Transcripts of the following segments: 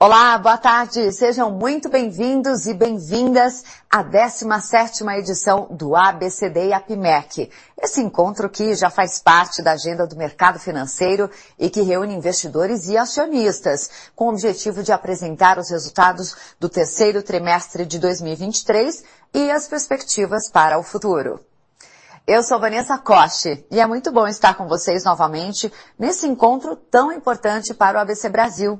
Olá, boa tarde! Sejam muito bem-vindos e bem-vindas à décima sétima edição do ABCD e APIMEC. Esse encontro, que já faz parte da agenda do mercado financeiro e que reúne investidores e acionistas, com o objetivo de apresentar os resultados do terceiro trimestre de 2023 e as perspectivas para o futuro. Eu sou Vanessa Costa, e é muito bom estar com vocês novamente nesse encontro tão importante para o ABC Brasil.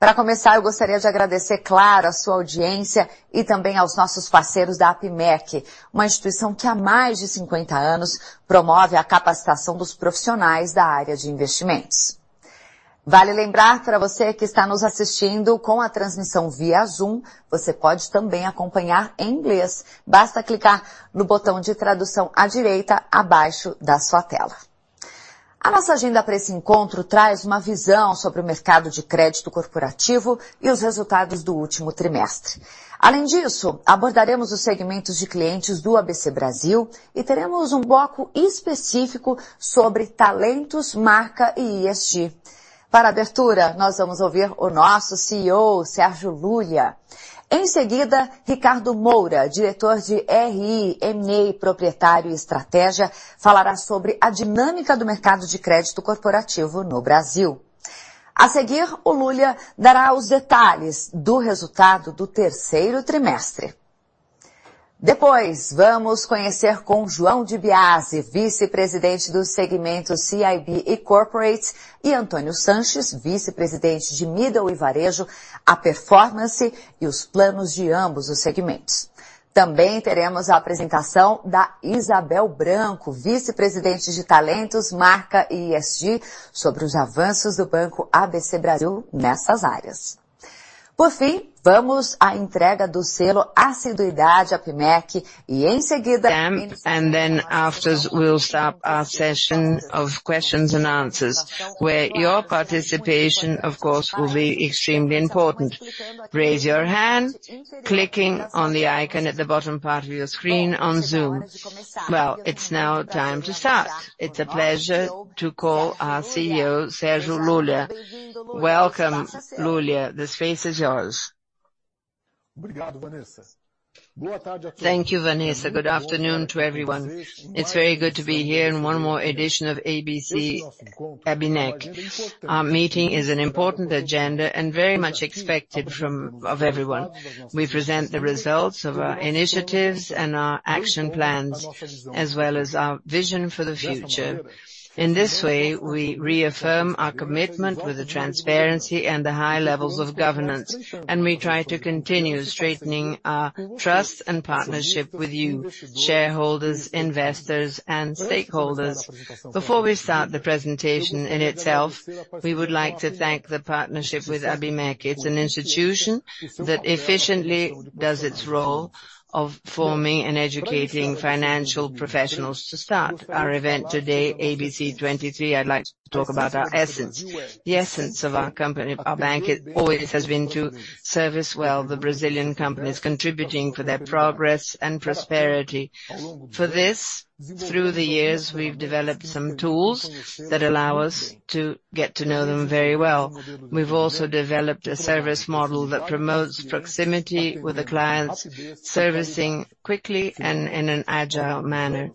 Para começar, eu gostaria de agradecer, claro, a sua audiência e também aos nossos parceiros da APIMEC, uma instituição que, há mais de cinquenta anos, promove a capacitação dos profissionais da área de investimentos. Vale lembrar para você que está nos assistindo com a transmissão via Zoom, você pode também acompanhar em inglês. Basta clicar no botão de tradução à direita, abaixo da sua tela. A nossa agenda para esse encontro traz uma visão sobre o mercado de crédito corporativo e os resultados do último trimestre. Além disso, abordaremos os segmentos de clientes do ABC Brasil e teremos um bloco específico sobre talentos, marca e ESG. Para a abertura, nós vamos ouvir o nosso CEO, Sérgio Lulia. Em seguida, Ricardo Moura, Diretor de RI, M&A, Proprietário e Estratégia, falará sobre a dinâmica do mercado de crédito corporativo no Brasil. A seguir, o Lulia dará os detalhes do resultado do terceiro trimestre. Depois, vamos conhecer com João Dibiasi, Vice-Presidente do Segmento CIB e Corporate, e Antônio Sanches, Vice-Presidente de Middle e Varejo, a performance e os planos de ambos os segmentos. Também teremos a apresentação da Isabel Branco, Vice-Presidente de Talentos, Marca e ESG, sobre os avanços do Banco ABC Brasil nessas áreas. Por fim, vamos à entrega do selo Assiduidade APIMEC e, em seguida... After that, we will start our session of questions and answers, where your participation, of course, will be extremely important. Raise your hand, clicking on the icon at the bottom part of your screen on Zoom. It's now time to start. It's a pleasure to call our CEO, Sérgio Lulia. Welcome, Lulia. The space is yours. Obrigado, Vanessa. Boa tarde a todos. Thank you, Vanessa. Good afternoon to everyone. It's very good to be here in one more edition of ABIMEC. Our meeting has an important agenda and is very much expected by everyone. We present the results of our initiatives and our action plans, as well as our vision for the future. In this way, we reaffirm our commitment to transparency and the high levels of governance, and we try to continue strengthening our trust and partnership with you, shareholders, investors, and stakeholders. Before we start the presentation itself, we would like to thank the partnership with ABIMEC. It's an institution that efficiently does its role of forming and educating financial professionals. To start our event today, ABIMEC 2023, I'd like to talk about our essence. The essence of our company, our bank, it always has been to service well the Brazilian companies, contributing to their progress and prosperity. For this, through the years, we've developed some tools that allow us to get to know them very well. We've also developed a service model that promotes proximity with the clients, servicing quickly and in an agile manner.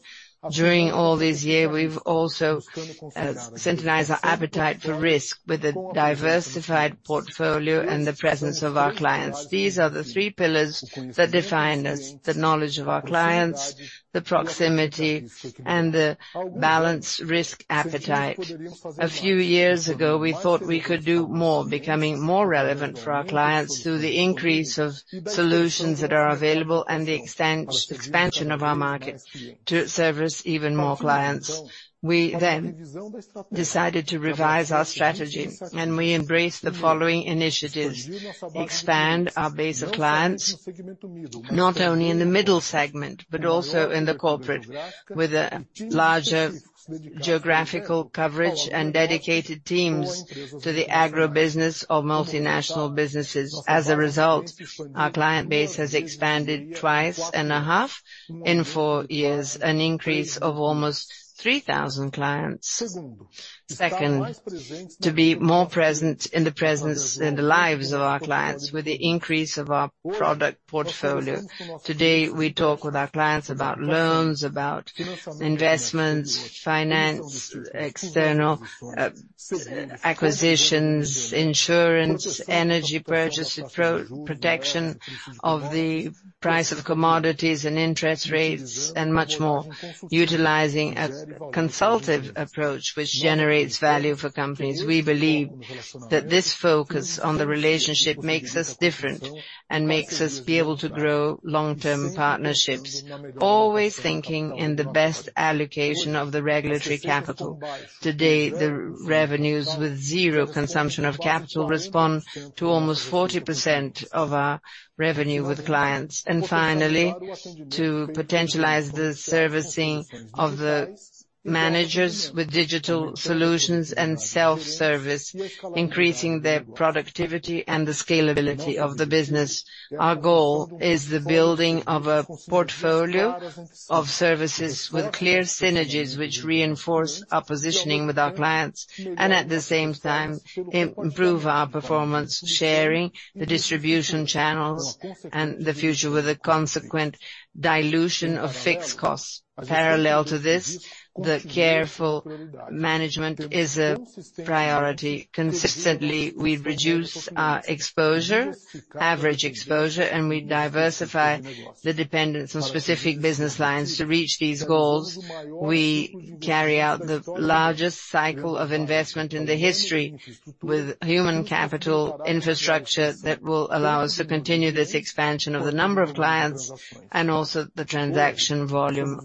During all these years, we've also synthesized our appetite for risk with a diversified portfolio and the presence of our clients. These are the three pillars that define us: the knowledge of our clients, the proximity, and the balanced risk appetite. A few years ago, we thought we could do more, becoming more relevant for our clients through the increase of solutions that are available and the expansion of our market to service even more clients. We then decided to revise our strategy, and we embraced the following initiatives: expand our base of clients, not only in the middle segment, but also in the corporate, with a larger geographical coverage and dedicated teams to the agribusiness of multinational businesses. As a result, our client base has expanded two and a half times in four years, an increase of almost three thousand clients. Second, to be more present in the lives of our clients with the increase of our product portfolio. Today, we talk with our clients about loans, about investments, finance, external acquisitions, insurance, energy purchase, protection of the price of commodities and interest rates, and much more, utilizing a consultative approach, which generates value for companies. We believe that this focus on the relationship makes us different and makes us be able to grow long-term partnerships, always thinking in the best allocation of the regulatory capital. Today, the revenues with zero consumption of capital respond to almost 40% of our revenue with clients. Finally, to potentialize the servicing of the managers with digital solutions and self-service, increasing their productivity and the scalability of the business. Our goal is the building of a portfolio of services with clear synergies, which reinforce our positioning with our clients and, at the same time, improve our performance, sharing the distribution channels and the future with a consequent dilution of fixed costs. Parallel to this, the careful management is a priority. Consistently, we reduce our exposure, average exposure, and we diversify the dependence on specific business lines. To reach these goals, we carry out the largest cycle of investment in the history with human capital infrastructure that will allow us to continue this expansion of the number of clients and also the transaction volume.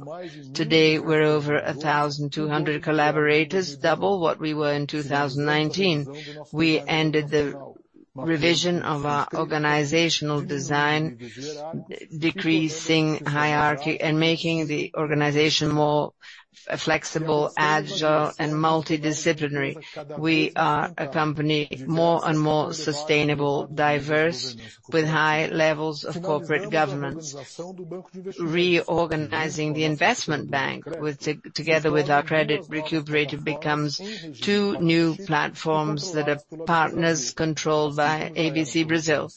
Today, we're over 1,200 collaborators, double what we were in 2019. We ended the revision of our organizational design, decreasing hierarchy and making the organization more flexible, agile, and multidisciplinary. We are a company more and more sustainable, diverse, with high levels of corporate governance. Reorganizing the investment bank, together with our credit recuperative, becomes two new platforms that are partners controlled by ABC Brazil.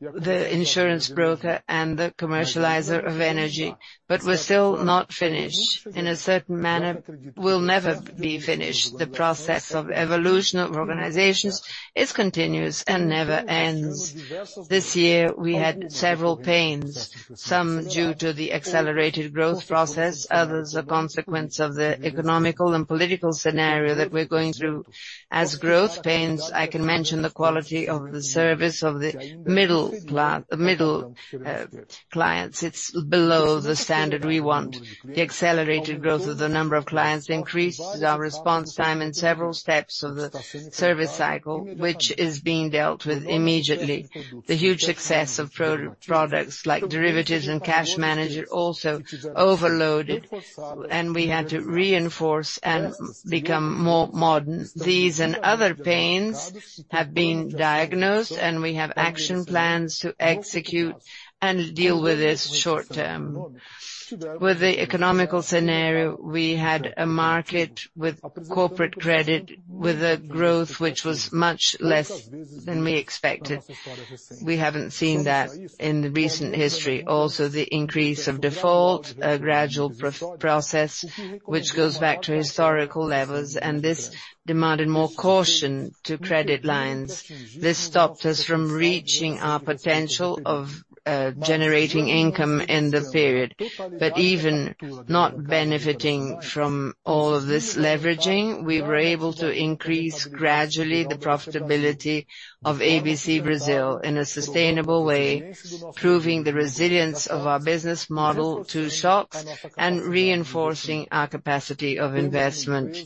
The insurance broker and the commercializer of energy, but we're still not finished. In a certain manner, we'll never be finished. The process of evolution of organizations is continuous and never ends. This year, we had several pains, some due to the accelerated growth process, others a consequence of the economical and political scenario that we're going through. As growth pains, I can mention the quality of the service of the middle clients. It's below the standard we want. The accelerated growth of the number of clients increases our response time in several steps of the service cycle, which is being dealt with immediately. The huge success of products like derivatives and cash manager also overloaded, and we had to reinforce and become more modern. These and other pains have been diagnosed, and we have action plans to execute and deal with this short term. With the economical scenario, we had a market with corporate credit, with a growth which was much less than we expected. We haven't seen that in the recent history. Also, the increase of default, a gradual process, which goes back to historical levels, and this demanded more caution to credit lines. This stopped us from reaching our potential of generating income in the period. But even not benefiting from all of this leveraging, we were able to increase gradually the profitability of ABC Brazil in a sustainable way, proving the resilience of our business model to shocks and reinforcing our capacity of investment.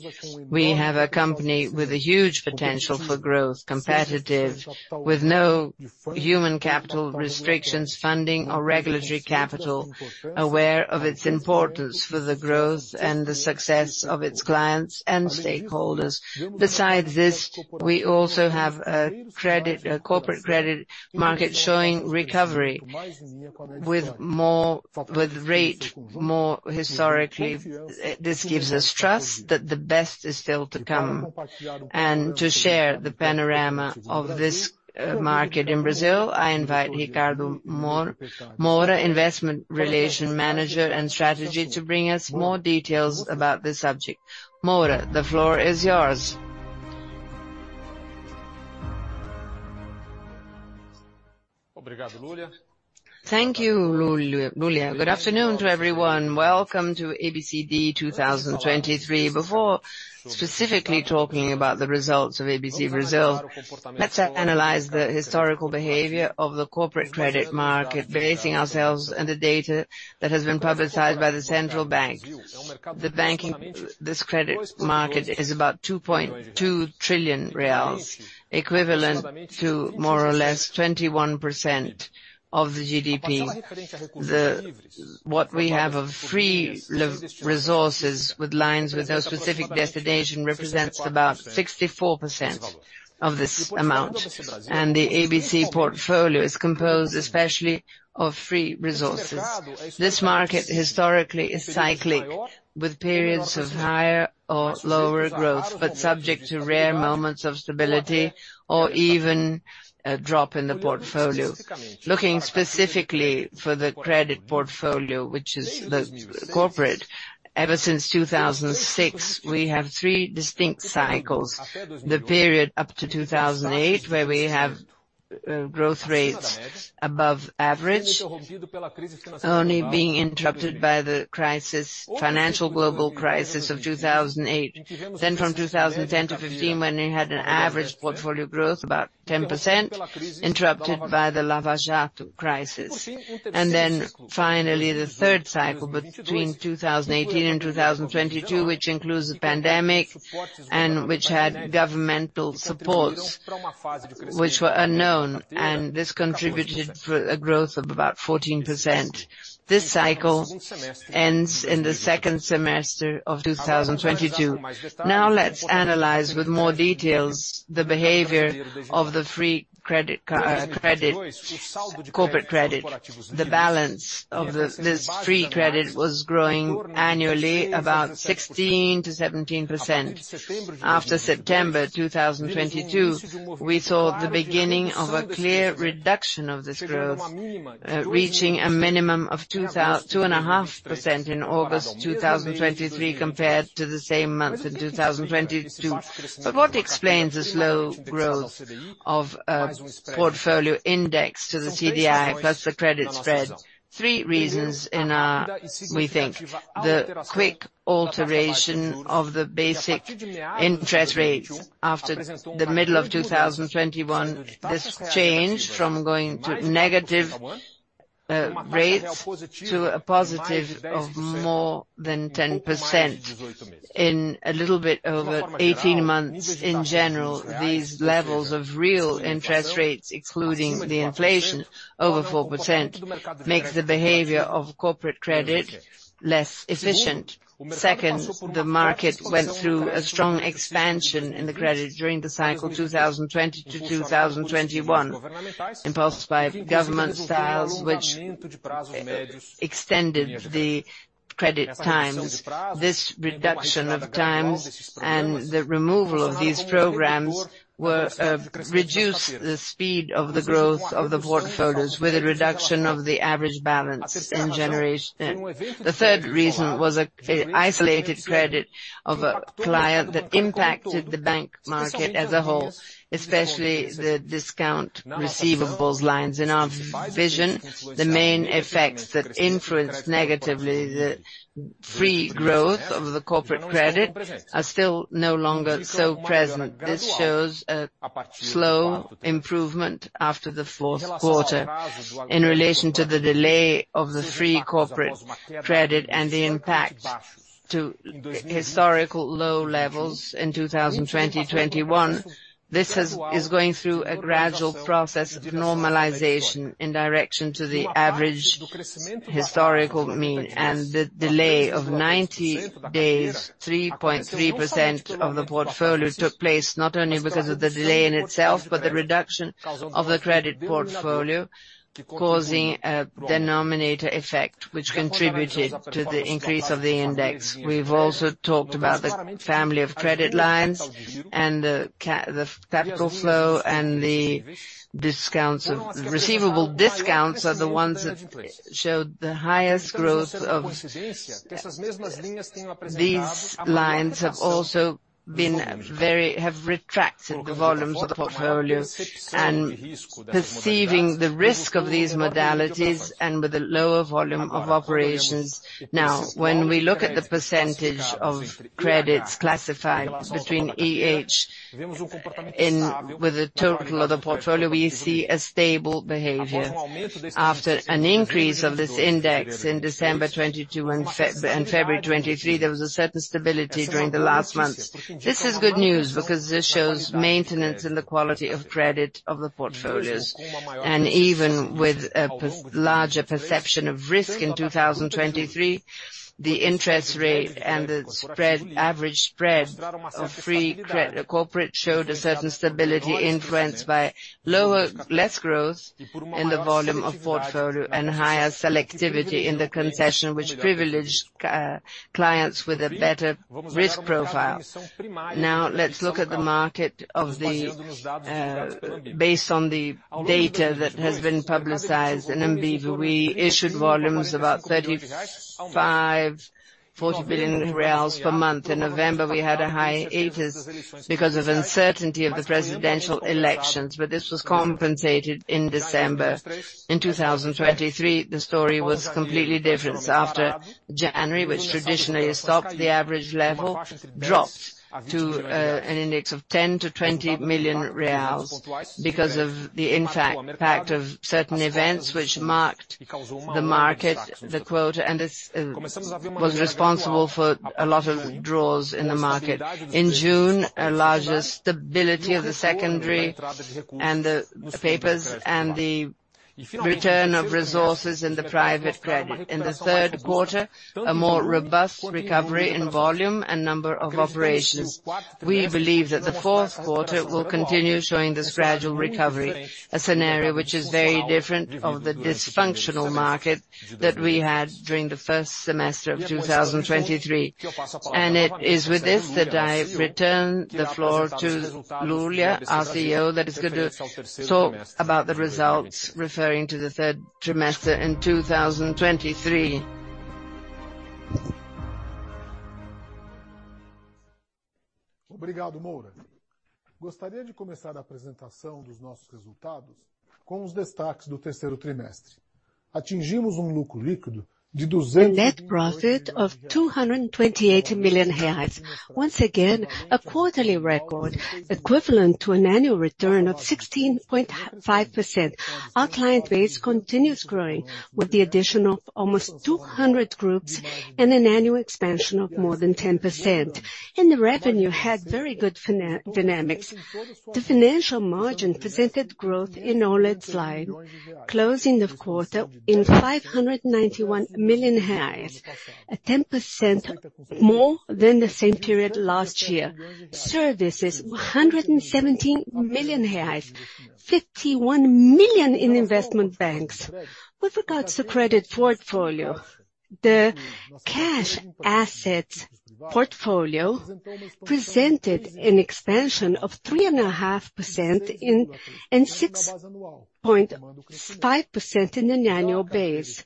We have a company with a huge potential for growth, competitive, with no human capital restrictions, funding, or regulatory capital, aware of its importance for the growth and the success of its clients and stakeholders. Besides this, we also have a credit, a corporate credit market showing recovery with more historically... This gives us trust that the best is still to come. To share the panorama of this market in Brazil, I invite Ricardo Moura, Investment Relation Manager and Strategy, to bring us more details about this subject. Moura, the floor is yours. Thank you, Lulia. Good afternoon to everyone. Welcome to ABCD 2023. Before specifically talking about the results of ABC Brazil, let's analyze the historical behavior of the corporate credit market, basing ourselves on the data that has been publicized by the Central Bank. This credit market is about R$2.2 trillion, equivalent to more or less 21% of the GDP. What we have of free resources with lines, with no specific destination, represents about 64% of this amount, and the ABC portfolio is composed especially of free resources. This market, historically, is cyclic, with periods of higher or lower growth, but subject to rare moments of stability or even a drop in the portfolio. Looking specifically for the credit portfolio, which is the corporate, ever since 2006, we have three distinct cycles. The period up to 2008, where we have growth rates above average, only being interrupted by the crisis, financial global crisis of 2008. Then from 2010 to 2015, when we had an average portfolio growth, about 10%, interrupted by the Lava Jato crisis. Finally, the third cycle, between 2018 and 2022, which includes the pandemic, and which had governmental supports which were unknown, and this contributed for a growth of about 14%. This cycle ends in the second semester of 2022. Now, let's analyze with more details the behavior of the free credit corporate credit. The balance of this free credit was growing annually, about 16% to 17%. After September 2022, we saw the beginning of a clear reduction of this growth, reaching a minimum of 2.5% in August 2023, compared to the same month in 2022. But what explains this slow growth of portfolio index to the CDI, plus the credit spread? Three reasons we think: the quick alteration of the basic interest rates after the middle of 2021, this changed from going to negative. Rates to a positive of more than 10% in a little bit over eighteen months. In general, these levels of real interest rates, excluding the inflation over 4%, makes the behavior of corporate credit less efficient. Second, the market went through a strong expansion in the credit during the cycle 2020 to 2021, impulsed by government styles, which extended the credit times. This reduction of times and the removal of these programs reduced the speed of the growth of the portfolios, with a reduction of the average balance in generation. The third reason was an isolated credit of a client that impacted the bank market as a whole, especially the discount receivables lines. In our vision, the main effects that influenced negatively the free growth of the corporate credit are still no longer so present. This shows a slow improvement after the fourth quarter. In relation to the delay of the free corporate credit and the impact to historical low levels in 2020, 2021, this has is going through a gradual process of normalization in direction to the average historical mean, and the delay of 90 days, 3.3% of the portfolio took place, not only because of the delay in itself, but the reduction of the credit portfolio, causing a denominator effect, which contributed to the increase of the index. We've also talked about the family of credit lines and the capital flow and the discounts of the receivable discounts are the ones that showed the highest growth of... These lines have also been very have retracted the volumes of the portfolio and perceiving the risk of these modalities and with a lower volume of operations. Now, when we look at the percentage of credits classified between AH, with the total of the portfolio, we see a stable behavior. After an increase of this index in December 2022 and February 2023, there was a certain stability during the last months. This is good news, because this shows maintenance in the quality of credit of the portfolios. Even with a larger perception of risk in 2023, the interest rate and the average spread of free credit corporate showed a certain stability influenced by lower growth in the volume of portfolio and higher selectivity in the concession, which privileged clients with a better risk profile. Now, let's look at the market based on the data that has been publicized in MB, we issued volumes about R$35-40 billion per month. In November, we had a hiatus because of uncertainty of the presidential elections, but this was compensated in December. In 2023, the story was completely different. After January, which traditionally stopped, the average level dropped to an index of 10 to 20 million reals because of the impact of certain events which marked the market, the quota, and this was responsible for a lot of draws in the market. In June, a larger stability of the secondary and the papers, and the return of resources in the private credit. In the third quarter, a more robust recovery in volume and number of operations. We believe that the fourth quarter will continue showing this gradual recovery, a scenario which is very different of the dysfunctional market that we had during the first semester of 2023. It is with this that I return the floor to Lulia, our CEO, who is going to talk about the results referring to the third quarter in 2023. A net profit of $228 million reais. Once again, a quarterly record, equivalent to an annual return of 16.5%. Our client base continues growing, with the addition of almost 200 groups and an annual expansion of more than 10%, and the revenue had very good dynamics. The financial margin presented growth in all its lines, closing the quarter at $591 million reais, 10% more than the same period last year. Services, $117 million reais, $51 million in investment banks. With regards to credit portfolio, the cash assets portfolio presented an expansion of 3.5% and 6.5% on an annual basis.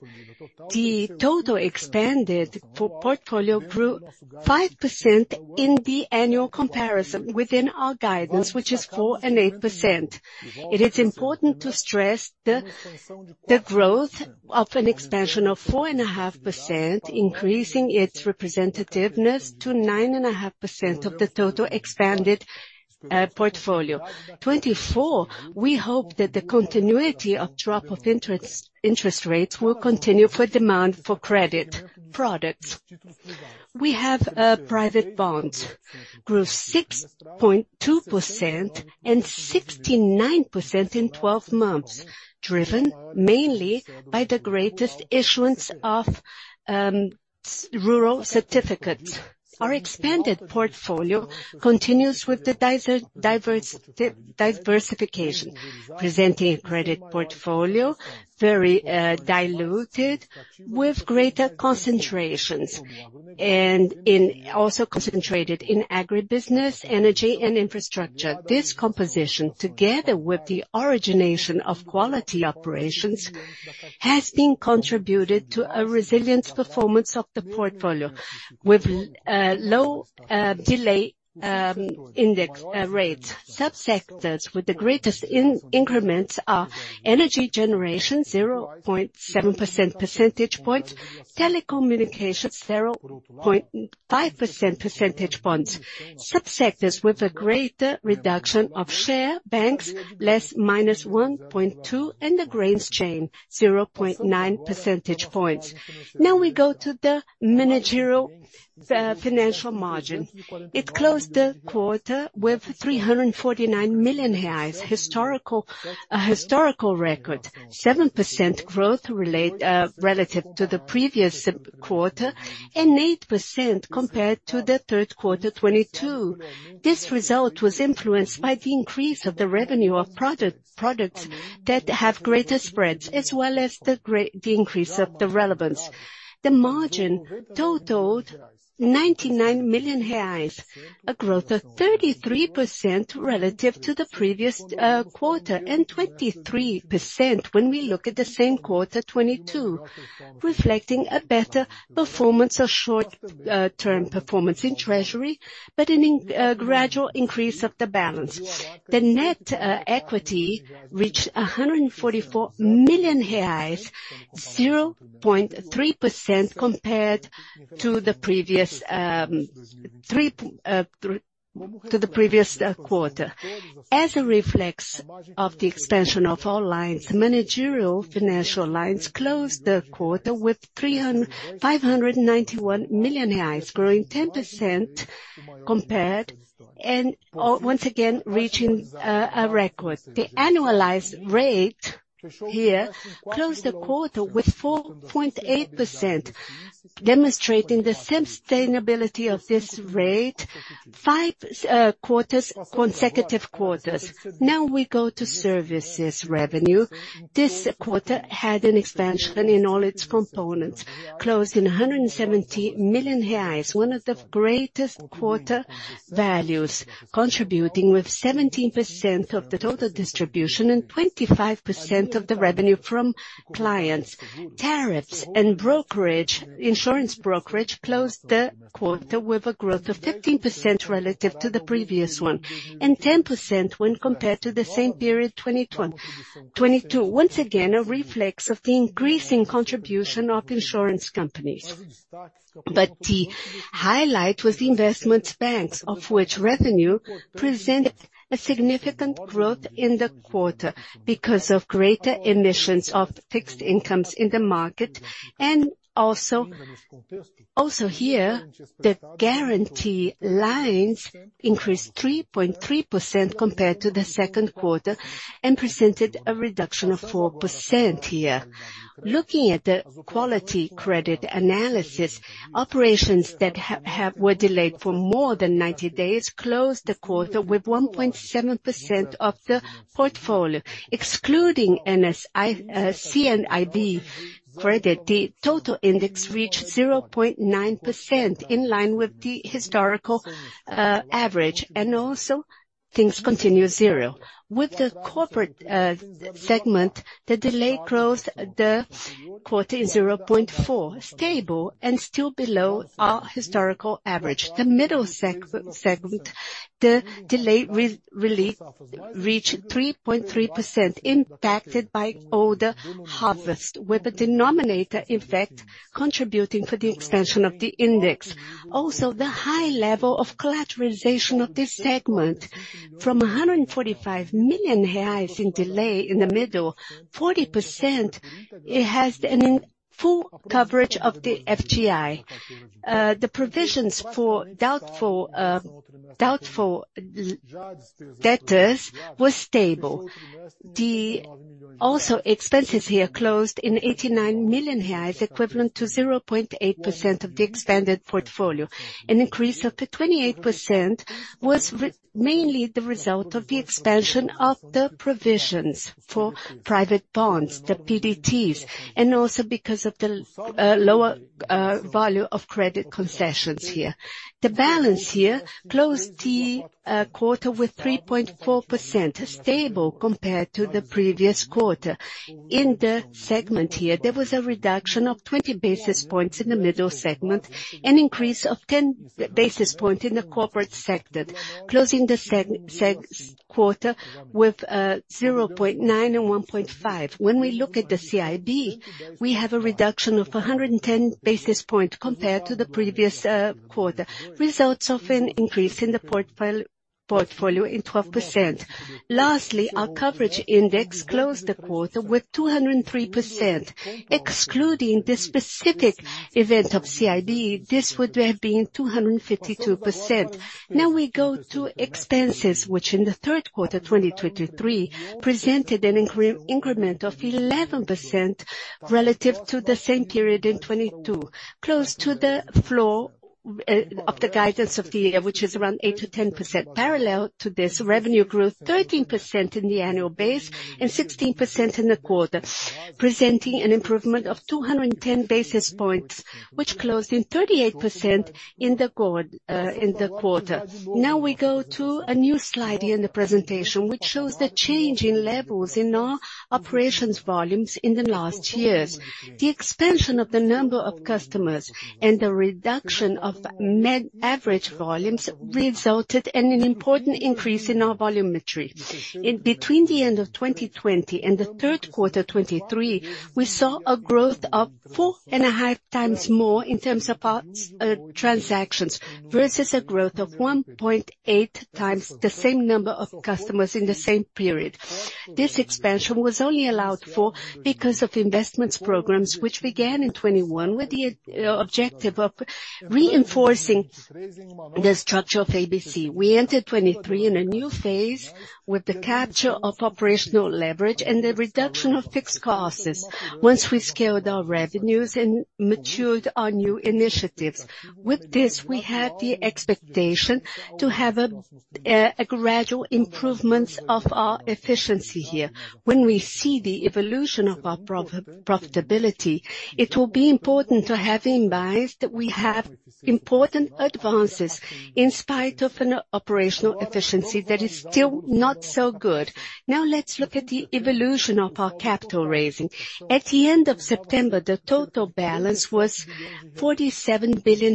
The total expanded portfolio grew 5% in the annual comparison within our guidance, which is 4% and 8%. It is important to stress the growth of an expansion of 4.5%, increasing its representativeness to 9.5% of the total expanded portfolio. In 2024, we hope that the continuity of drop of interest rates will continue for demand for credit products. We have private bonds grew 6.2% and 69% in twelve months, driven mainly by the greatest issuance of rural certificates. Our expanded portfolio continues with the diversification, presenting a credit portfolio very diluted with greater concentrations, and also concentrated in agribusiness, energy, and infrastructure. This composition, together with the origination of quality operations, has contributed to a resilient performance of the portfolio, with low delay index rates. Sub-sectors with the greatest increments are energy generation, 0.7 percentage points, telecommunications, 0.5 percentage points. Sub-sectors with a greater reduction of share, banks, minus 1.2%, and the grains chain, 0.9 percentage points. Now we go to the managerial financial margin. It closed the quarter with R$349 million. A historical record, 7% growth relative to the previous quarter, and 8% compared to the third quarter 2022. This result was influenced by the increase of the revenue of products that have greater spreads, as well as the increase of the relevance. The margin totaled $99 million reais, a growth of 33% relative to the previous quarter, and 23% when we look at the same quarter 2022, reflecting a better performance or short term performance in treasury, but a gradual increase of the balance. The net equity reached $144 million reais, 0.3% compared to the previous quarter. As a reflex of the expansion of all lines, managerial financial lines closed the quarter with $591 million reais, growing 10% compared, and once again, reaching a record. The annualized rate here closed the quarter with 4.8%, demonstrating the sustainability of this rate, five consecutive quarters. Now, we go to services revenue. This quarter had an expansion in all its components, closing R$170 million, one of the greatest quarter values, contributing with 17% of the total distribution and 25% of the revenue from clients. Tariffs and brokerage, insurance brokerage, closed the quarter with a growth of 15% relative to the previous one, and 10% when compared to the same period, 2022. Once again, a reflex of the increasing contribution of insurance companies. The highlight was investment banks, of which revenue presented a significant growth in the quarter because of greater emissions of fixed incomes in the market, and the guarantee lines increased 3.3% compared to the second quarter, and presented a reduction of 4% here. Looking at the quality credit analysis, operations that have were delayed for more than 90 days closed the quarter with 1.7% of the portfolio. Excluding NSI, C and IB credit, the total index reached 0.9%, in line with the historical average, and also things continue zero. With the corporate segment, the delay closed the quarter is 0.4%, stable and still below our historical average. The middle segment, the delay really reached 3.3%, impacted by older harvest, with a denominator effect, contributing for the expansion of the index. Also, the high level of collateralization of this segment, from R$145 million in delay in the middle, 40%, it has full coverage of the FGI. The provisions for doubtful debtors was stable. Also, expenses here closed at 89 million reais, equivalent to 0.8% of the expanded portfolio. An increase of 28% was mainly the result of the expansion of the provisions for private bonds, the PDTs, and also because of the lower value of credit concessions here. The balance here closed the quarter with 3.4%, stable compared to the previous quarter. In the segment here, there was a reduction of 20 basis points in the middle segment, an increase of 10 basis points in the corporate sector, closing the quarter with 0.9% and 1.5%. When we look at the CIB, we have a reduction of 110 basis points compared to the previous quarter, results of an increase in the portfolio of 12%. Lastly, our coverage index closed the quarter with 203%. Excluding this specific event of CIB, this would have been 252%. Now, we go to expenses, which in the third quarter, 2023, presented an increment of 11% relative to the same period in 2022, close to the floor of the guidance of the year, which is around 8% to 10%. Parallel to this, revenue growth 13% in the annual base and 16% in the quarter, presenting an improvement of 210 basis points, which closed in 38% in the quarter. Now we go to a new slide here in the presentation, which shows the change in levels in our operations volumes in the last years. The expansion of the number of customers and the reduction of average volumes resulted in an important increase in our volumetry. Between the end of 2020 and the third quarter 2023, we saw a growth of four and a half times more in terms of our transactions, versus a growth of 1.8 times the same number of customers in the same period. This expansion was only allowed for because of investments programs, which began in 2021, with the objective of reinforcing the structure of ABC. We entered 2023 in a new phase, with the capture of operational leverage and the reduction of fixed costs, once we scaled our revenues and matured our new initiatives. With this, we had the expectation to have gradual improvements of our efficiency here. When we see the evolution of our profitability, it will be important to have in mind that we have important advances, in spite of an operational efficiency that is still not so good. Now, let's look at the evolution of our capital raising. At the end of September, the total balance was R$47 billion,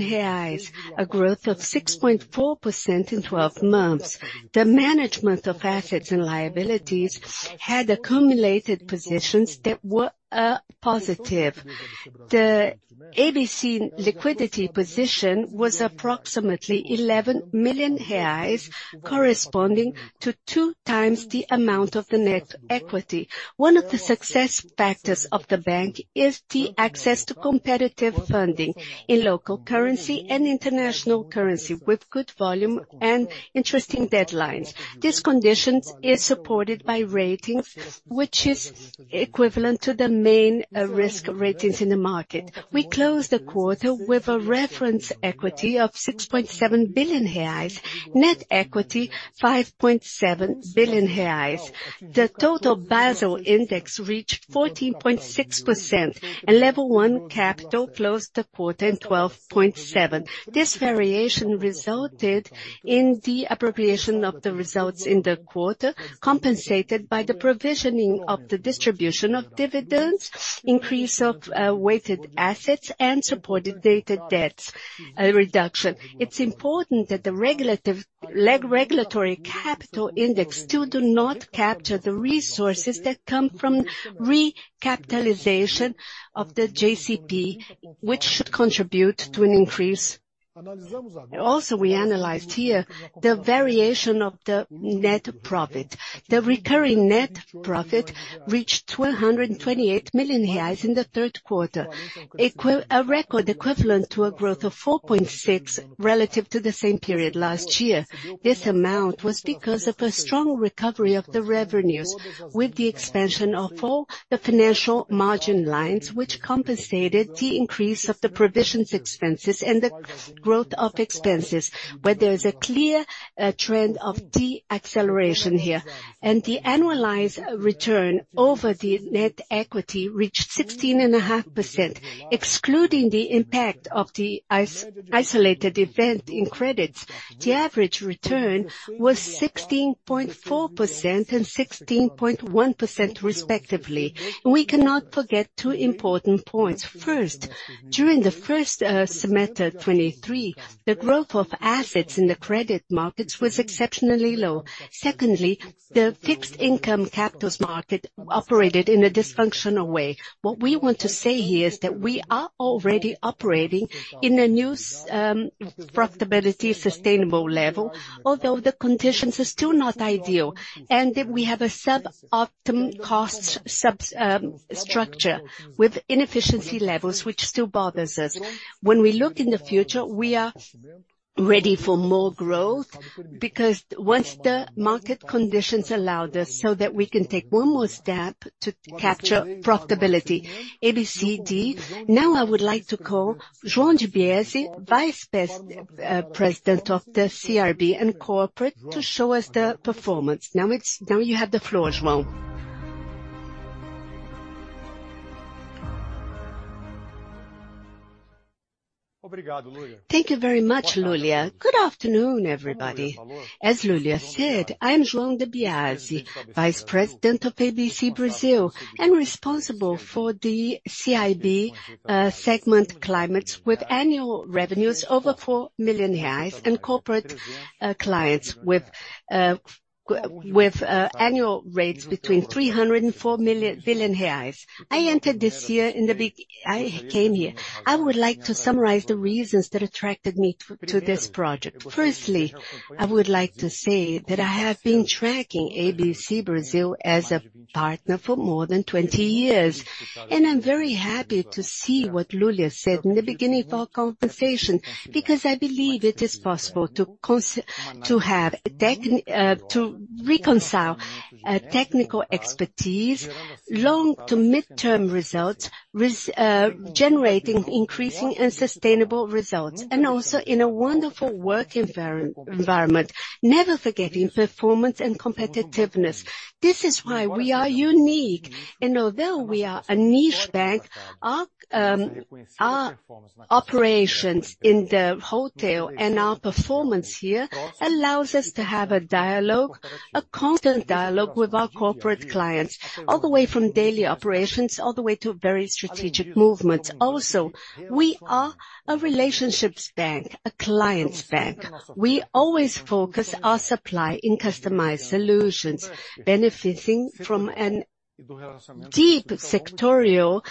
a growth of 6.4% in twelve months. The management of assets and liabilities had accumulated positions that were positive. The ABC liquidity position was approximately R$11 million, corresponding to two times the amount of the net equity. One of the success factors of the bank is the access to competitive funding in local currency and international currency, with good volume and interesting deadlines. These conditions are supported by ratings, which are equivalent to the main risk ratings in the market. We closed the quarter with a reference equity of R$6.7 billion. Net equity, R$5.7 billion. The total Basel index reached 14.6%, and level one capital closed the quarter at 12.7%. This variation resulted in the appropriation of the results in the quarter, compensated by the provisioning of the distribution of dividends, increase of weighted assets, and supported data debts reduction. It's important that the regulatory capital index, too, do not capture the resources that come from recapitalization of the JCP, which should contribute to an increase. Also, we analyzed here the variation of the net profit. The recurring net profit reached R$228 million in the third quarter, a record equivalent to a growth of 4.6%, relative to the same period last year. This amount was because of a strong recovery of the revenues, with the expansion of all the financial margin lines, which compensated the increase of the provisions expenses and the growth of expenses, where there is a clear trend of deceleration here. The annualized return over the net equity reached 16.5%, excluding the impact of the isolated event in credits. The average return was 16.4% and 16.1%, respectively. We cannot forget two important points. First, during the first semester 2023, the growth of assets in the credit markets was exceptionally low. Secondly, the fixed income capital markets operated in a dysfunctional way. What we want to say here is that we are already operating in a new profitability, sustainable level, although the conditions are still not ideal, and that we have a suboptimal cost structure with inefficiency levels, which still bothers us. When we look in the future, we are ready for more growth, because once the market conditions allow this, so that we can take one more step to capture profitability. Now, I would like to call João Giarbiezi, Vice President of the CRB and Corporate, to show us the performance. Now you have the floor, João. Thank you very much, Lulia. Good afternoon, everybody. As Lulia said, I'm João Debiasi, Vice President of ABC Brazil, and responsible for the CIB segment climates, with annual revenues over R$4 million and corporate clients with annual rates between R$300 million and R$4 billion. I entered this year in the be-- I came here. I would like to summarize the reasons that attracted me to this project. Firstly, I would like to say that I have been tracking ABC Brazil as a partner for more than twenty years, and I'm very happy to see what Lulia said in the beginning of our conversation, because I believe it is possible to have a tech, to reconcile technical expertise, long to mid-term results, generating, increasing and sustainable results, and also in a wonderful work environment. Never forgetting performance and competitiveness. This is why we are unique, and although we are a niche bank, our operations in the hotel and our performance here allows us to have a dialogue, a constant dialogue with our corporate clients, all the way from daily operations, all the way to very strategic movements. Also, we are a relationships bank, a clients bank. We always focus our supply in customized solutions, benefiting from deep sectorial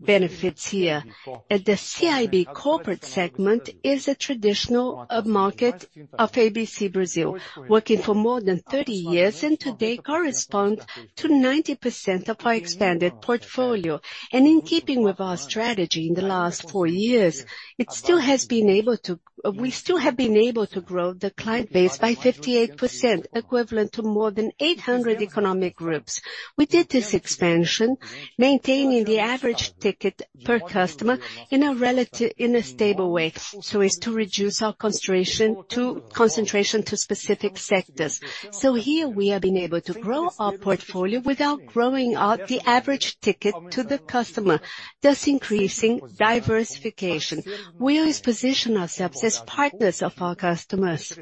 benefits here. The CIB corporate segment is a traditional market of ABC Brazil, working for more than thirty years, and today corresponds to 90% of our expanded portfolio. In keeping with our strategy in the last four years, we still have been able to grow the client base by 58%, equivalent to more than eight hundred economic groups. We did this expansion, maintaining the average ticket per customer in a stable way, so as to reduce our concentration to specific sectors. So here we have been able to grow our portfolio without growing out the average ticket to the customer, thus increasing diversification. We always position ourselves as partners of our customers,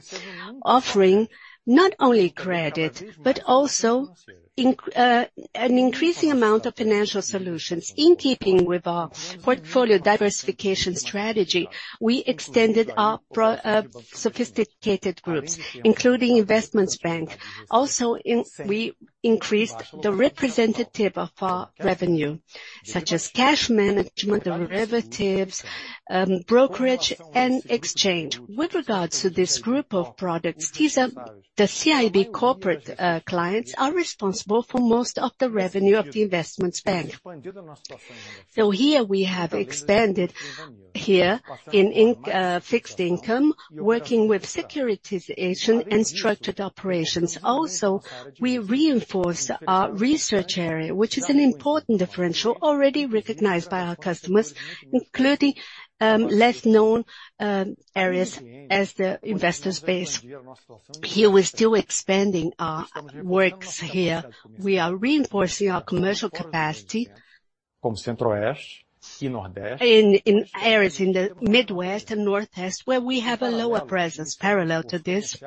offering not only credit, but also an increasing amount of financial solutions. In keeping with our portfolio diversification strategy, we extended our sophisticated groups, including investment bank. Also, we increased the representative of our revenue, such as cash management, derivatives, brokerage and exchange. With regards to this group of products, these are-- the CIB corporate clients are responsible for most of the revenue of the investment bank. So here we have expanded here in fixed income, working with securitization and structured operations. Also, we reinforced our research area, which is an important differential, already recognized by our customers, including less known areas as the investors base. Here, we're still expanding our works here. We are reinforcing our commercial capacity in areas in the Midwest and Northwest, where we have a lower presence. Parallel to this,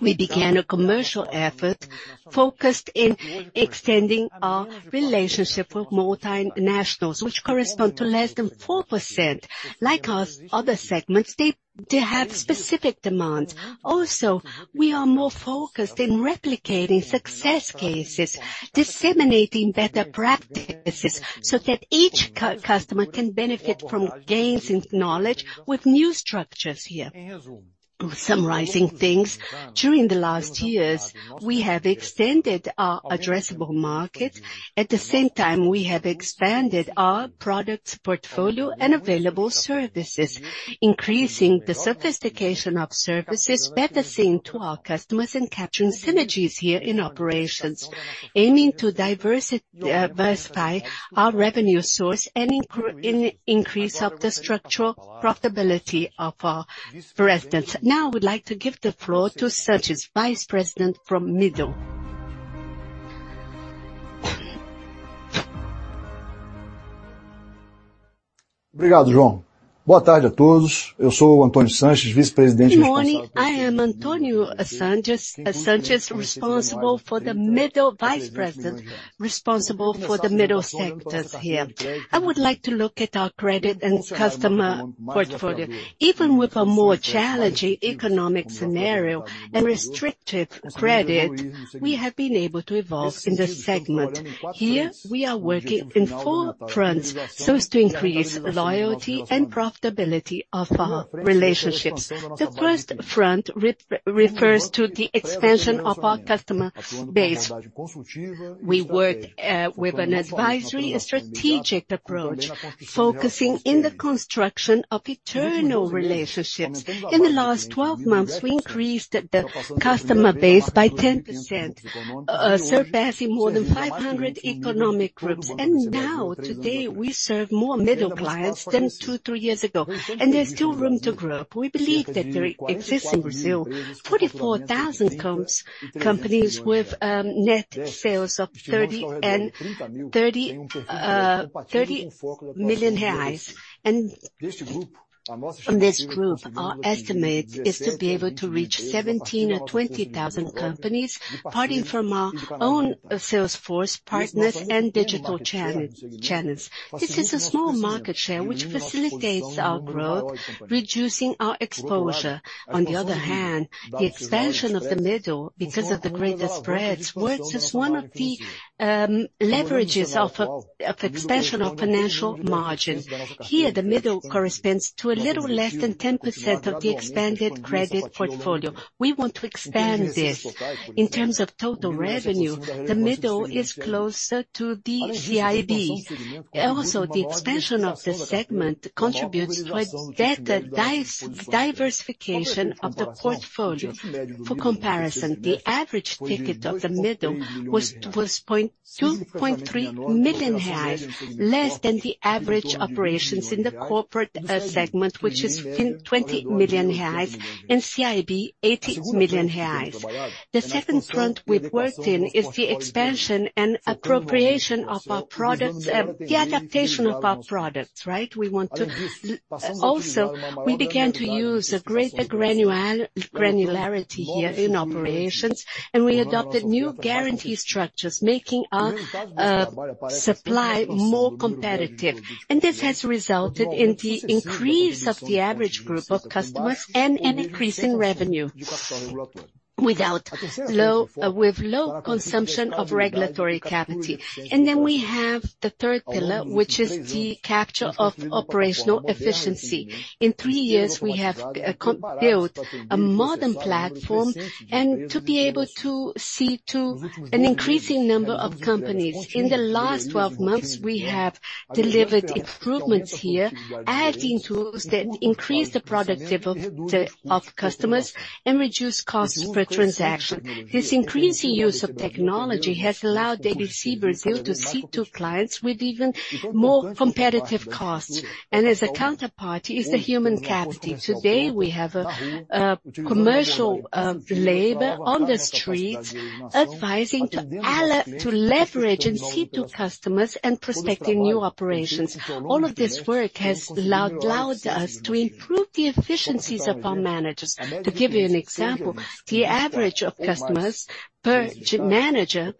we began a commercial effort focused on extending our relationship with multinationals, which correspond to less than 4%. Like our other segments, they have specific demands. Also, we are more focused on replicating success cases, disseminating better practices, so that each customer can benefit from gains in knowledge with new structures here. Summarizing things, during the last years, we have extended our addressable market. At the same time, we have expanded our products portfolio and available services, increasing the sophistication of services better seen to our customers and capturing synergies here in operations, aiming to diversify our revenue source and increase the structural profitability of our presence. Now, I would like to give the floor to Sergio, Vice President from Middle. Obrigado, João! Boa tarde a todos. Eu sou o Antônio Sanches, Vice-Presidente responsável Good morning, I am Antônio Sanches, Sanches, responsible for the middle-- Vice President, responsible for the middle sectors here. I would like to look at our credit and customer portfolio. Even with a more challenging economic scenario and restrictive credit, we have been able to evolve in this segment. Here, we are working in four fronts so as to increase loyalty and profitability of our relationships. The first front refers to the expansion of our customer base. We work with an advisory and strategic approach, focusing in the construction of eternal relationships. In the last twelve months, we increased the customer base by 10%, surpassing more than five hundred economic groups. And now, today, we serve more middle clients than two, three years ago, and there's still room to grow. We believe that there exists in Brazil forty-four thousand companies with net sales of thirty million reais. From this group, our estimate is to be able to reach seventeen or twenty thousand companies, parting from our own sales force, partners, and digital channels. This is a small market share, which facilitates our growth, reducing our exposure. On the other hand, the expansion of the middle, because of the greater spreads, works as one of the leverages of expansion of financial margin. Here, the middle corresponds to a little less than 10% of the expanded credit portfolio. We want to expand this. In terms of total revenue, the middle is closer to the CIB. Also, the expansion of this segment contributes towards data diversification of the portfolio. For comparison, the average ticket of the middle was 2.3 million reais, less than the average operations in the corporate segment, which is 20 million reais, and CIB, 80 million reais. The second front we've worked in is the expansion and appropriation of our products, the adaptation of our products, right? We want to also, we began to use a greater granularity here in operations, and we adopted new guarantee structures, making our supply more competitive. This has resulted in the increase of the average group of customers and an increase in revenue, without with low consumption of regulatory capacity. Then we have the third pillar, which is the capture of operational efficiency. In three years, we have built a modern platform, and to be able to see to an increasing number of companies. In the last twelve months, we have delivered improvements here, adding tools that increase the productivity of customers and reduce costs per transaction. This increasing use of technology has allowed IDC Brazil to serve clients with even more competitive costs, and as a counterpart, is the human capacity. Today, we have a commercial labor on the streets, advising to leverage and serve customers and prospecting new operations. All of this work has allowed us to improve the efficiencies of our managers. To give you an example, the average of customers per manager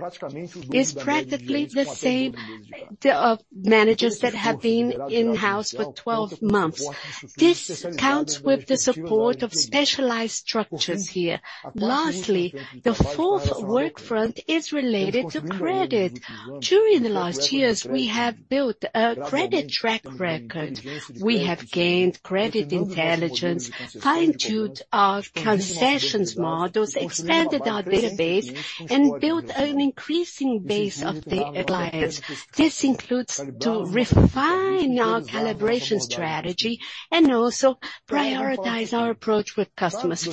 is practically the same, the managers that have been in-house for twelve months. This counts with the support of specialized structures here. Lastly, the fourth work front is related to credit. During the last years, we have built a credit track record. We have gained credit intelligence, fine-tuned our concessions models, expanded our database, and built an increasing base of data clients. This includes to refine our calibration strategy and also prioritize our approach with customers. For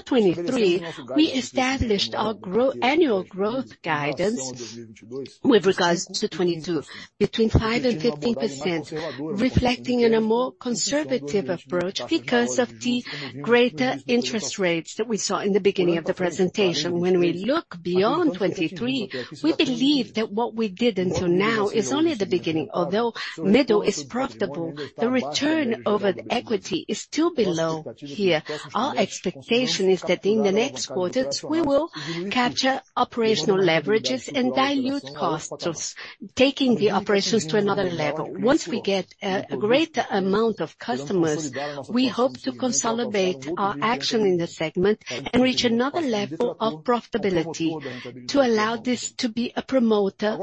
2023, we established our annual growth guidance with regards to 2022, between 5% and 15%, reflecting a more conservative approach because of the greater interest rates that we saw in the beginning of the presentation. When we look beyond 2023, we believe that what we did until now is only the beginning. Although the middle is profitable, the return over equity is still below here. Our expectation is that in the next quarters, we will capture operational leverages and dilute costs, taking the operations to another level. Once we get a greater amount of customers, we hope to consolidate our action in the segment and reach another level of profitability, to allow this to be a promoter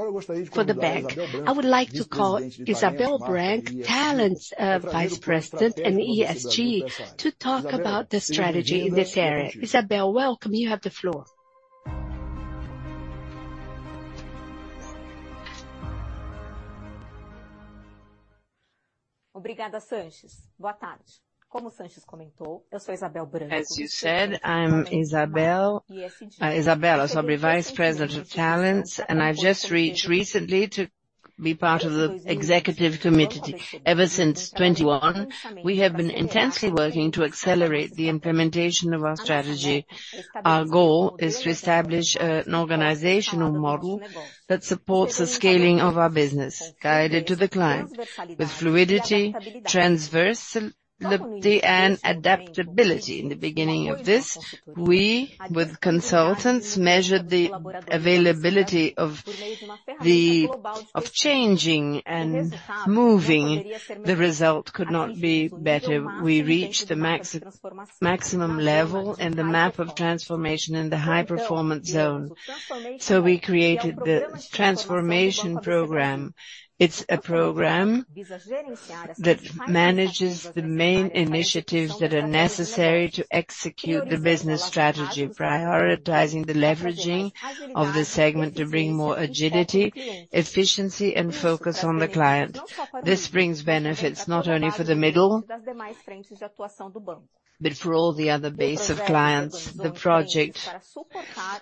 for the bank. I would like to call Isabel Branco, Talents Vice President and ESG, to talk about the strategy in this area. Isabel, welcome. You have the floor. As you said, I'm Isabel, Isabel Sobri, Vice President of Talents, and I've just reached recently to- Be part of the executive committee. Ever since 2021, we have been intensely working to accelerate the implementation of our strategy. Our goal is to establish an organizational model that supports the scaling of our business, guided to the client with fluidity, transversality, and adaptability. In the beginning of this, we, with consultants, measured the availability of changing and moving. The result could not be better. We reached the maximum level and the map of transformation in the high-performance zone. So we created the transformation program. It's a program that manages the main initiatives that are necessary to execute the business strategy, prioritizing the leveraging of the segment to bring more agility, efficiency, and focus on the client. This brings benefits not only for the middle, but for all the other base of clients. The project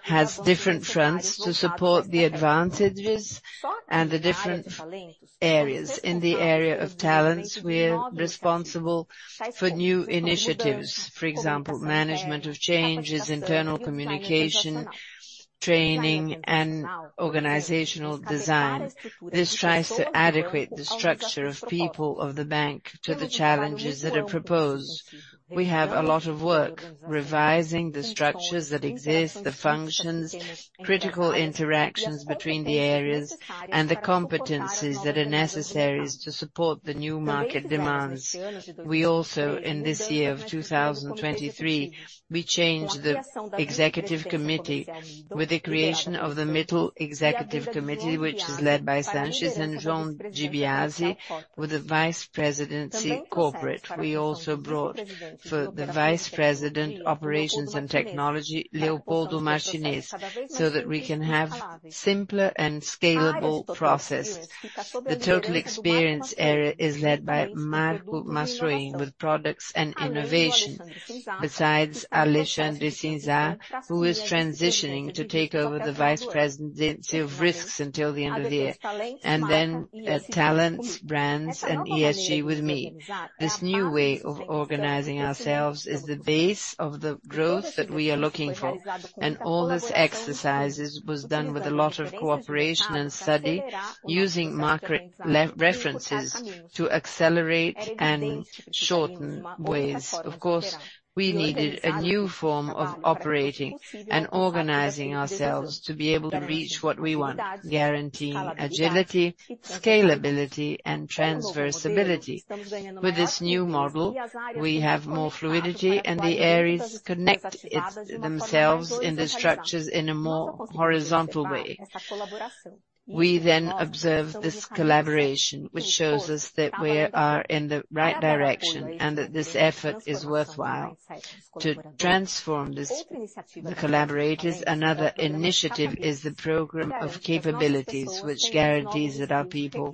has different fronts to support the advantages and the different areas. In the area of talents, we're responsible for new initiatives, for example, management of changes, internal communication, training, and organizational design. This tries to adequate the structure of people of the bank to the challenges that are proposed. We have a lot of work revising the structures that exist, the functions, critical interactions between the areas, and the competencies that are necessary to support the new market demands. We also, in this year of 2023, we changed the executive committee with the creation of the Middle Executive Committee, which is led by Sanchez and John Gibiasi, with the Vice Presidency Corporate. We also brought for the Vice President, Operations and Technology, Leopoldo Martinez, so that we can have simpler and scalable processes. The total experience area is led by Marco Masruri, with products and innovation. Besides Alexandre Cinza, who is transitioning to take over the Vice Presidency of Risks until the end of the year, and then talents, brands, and ESG with me. This new way of organizing ourselves is the base of the growth that we are looking for, and all this exercise was done with a lot of cooperation and study, using market references to accelerate and shorten ways. Of course, we needed a new form of operating and organizing ourselves to be able to reach what we want, guaranteeing agility, scalability, and transversality. With this new model, we have more fluidity, and the areas connect themselves in the structures in a more horizontal way. We then observe this collaboration, which shows us that we are in the right direction and that this effort is worthwhile to transform the collaborators. Another initiative is the program of capabilities, which guarantees that our people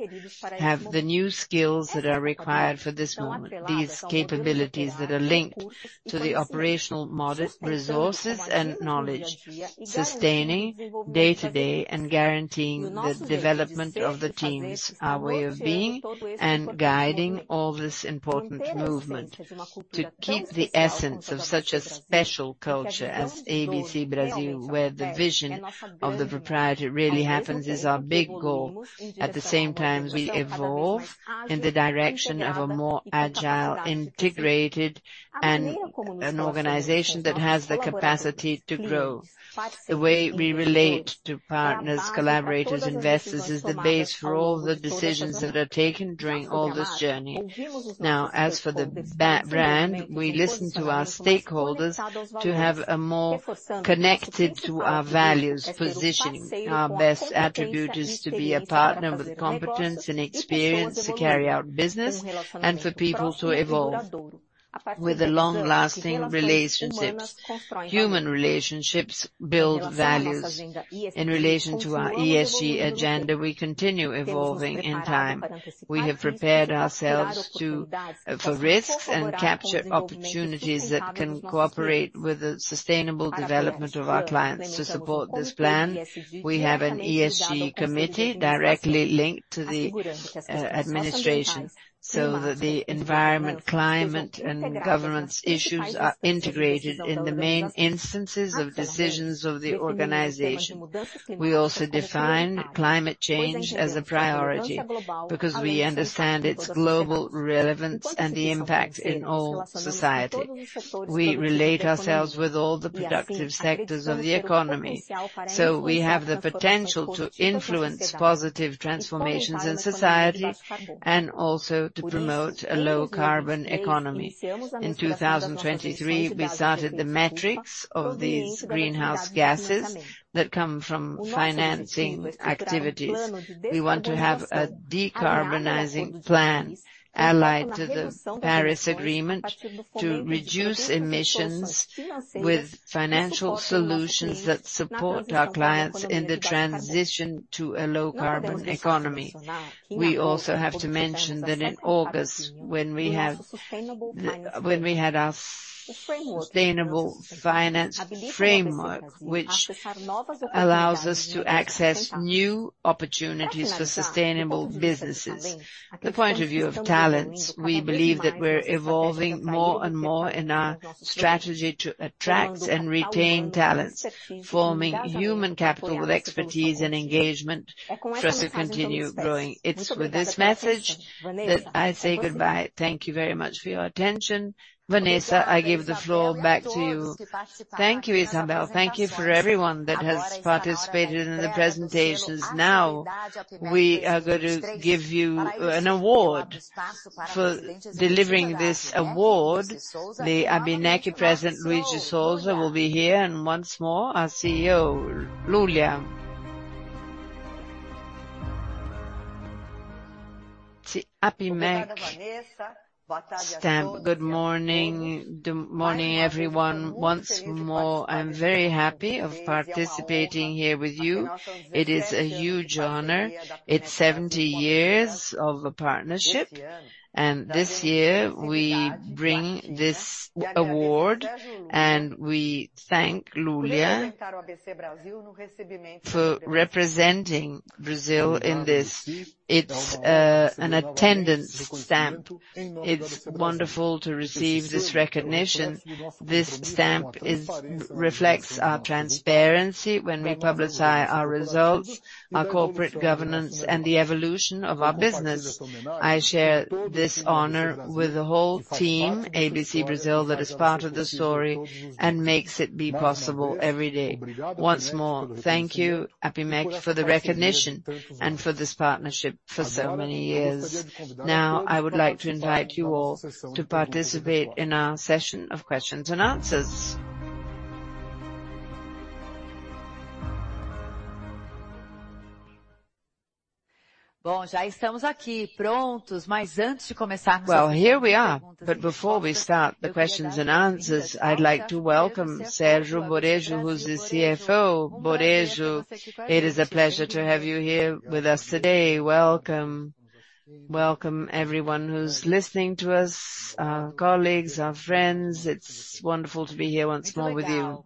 have the new skills that are required for this moment, these capabilities that are linked to the operational mode, resources, and knowledge, sustaining day-to-day and guaranteeing the development of the teams, our way of being, and guiding all this important movement. To keep the essence of such a special culture as ABC Brasil, where the vision of the propriety really happens, is our big goal. At the same time, we evolve in the direction of a more agile, integrated organization that has the capacity to grow. The way we relate to partners, collaborators, investors is the base for all the decisions that are taken during all this journey. Now, as for the brand, we listen to our stakeholders to have a more connected to our values positioning. Our best attribute is to be a partner with competence and experience, to carry out business, and for people to evolve with the long-lasting relationships. Human relationships build values. In relation to our ESG agenda, we continue evolving in time. We have prepared ourselves for risks and capture opportunities that can cooperate with the sustainable development of our clients. To support this plan, we have an ESG committee directly linked to the administration, so that the environment, climate, and governance issues are integrated in the main instances of decisions of the organization. We also define climate change as a priority, because we understand its global relevance and the impact in all society. We relate ourselves with all the productive sectors of the economy, so we have the potential to influence positive transformations in society, and also to promote a low-carbon economy. In 2023, we started the metrics of these greenhouse gases that come from financing activities. We want to have a decarbonizing plan, allied to the Paris Agreement, to reduce emissions with financial solutions that support our clients in the transition to a low-carbon economy. We also have to mention that in August, when we had our sustainable finance framework, which allows us to access new opportunities for sustainable businesses. From the point of view of talents, we believe that we're evolving more and more in our strategy to attract and retain talents, forming human capital with expertise and engagement for us to continue growing. It's with this message that I say goodbye. Thank you very much for your attention. Vanessa, I give the floor back to you. Thank you, Isabel. Thank you for everyone that has participated in the presentations. Now, we are going to give you an award. For delivering this award, the Abinecki President, Luigi Souza, will be here, and once more, our CEO, Lulia. Good morning, good morning, everyone. Once more, I'm very happy to be participating here with you. It is a huge honor. It's 70 years of a partnership, and this year, we bring this award, and we thank Julia for representing Brazil in this. It's an attendance stamp. It's wonderful to receive this recognition. This stamp reflects our transparency when we publicize our results, our corporate governance, and the evolution of our business. I share this honor with the whole team, ABC Brazil, that is part of the story and makes it possible every day. Once more, thank you, APIMEC, for the recognition and for this partnership for so many years. Now, I would like to invite you all to participate in our session of questions and answers. Well, here we are, but before we start the questions and answers, I'd like to welcome Sergio Moreijo, who's the CFO. Moreijo, it is a pleasure to have you here with us today. Welcome. Welcome, everyone who's listening to us, our colleagues, our friends. It's wonderful to be here once more with you.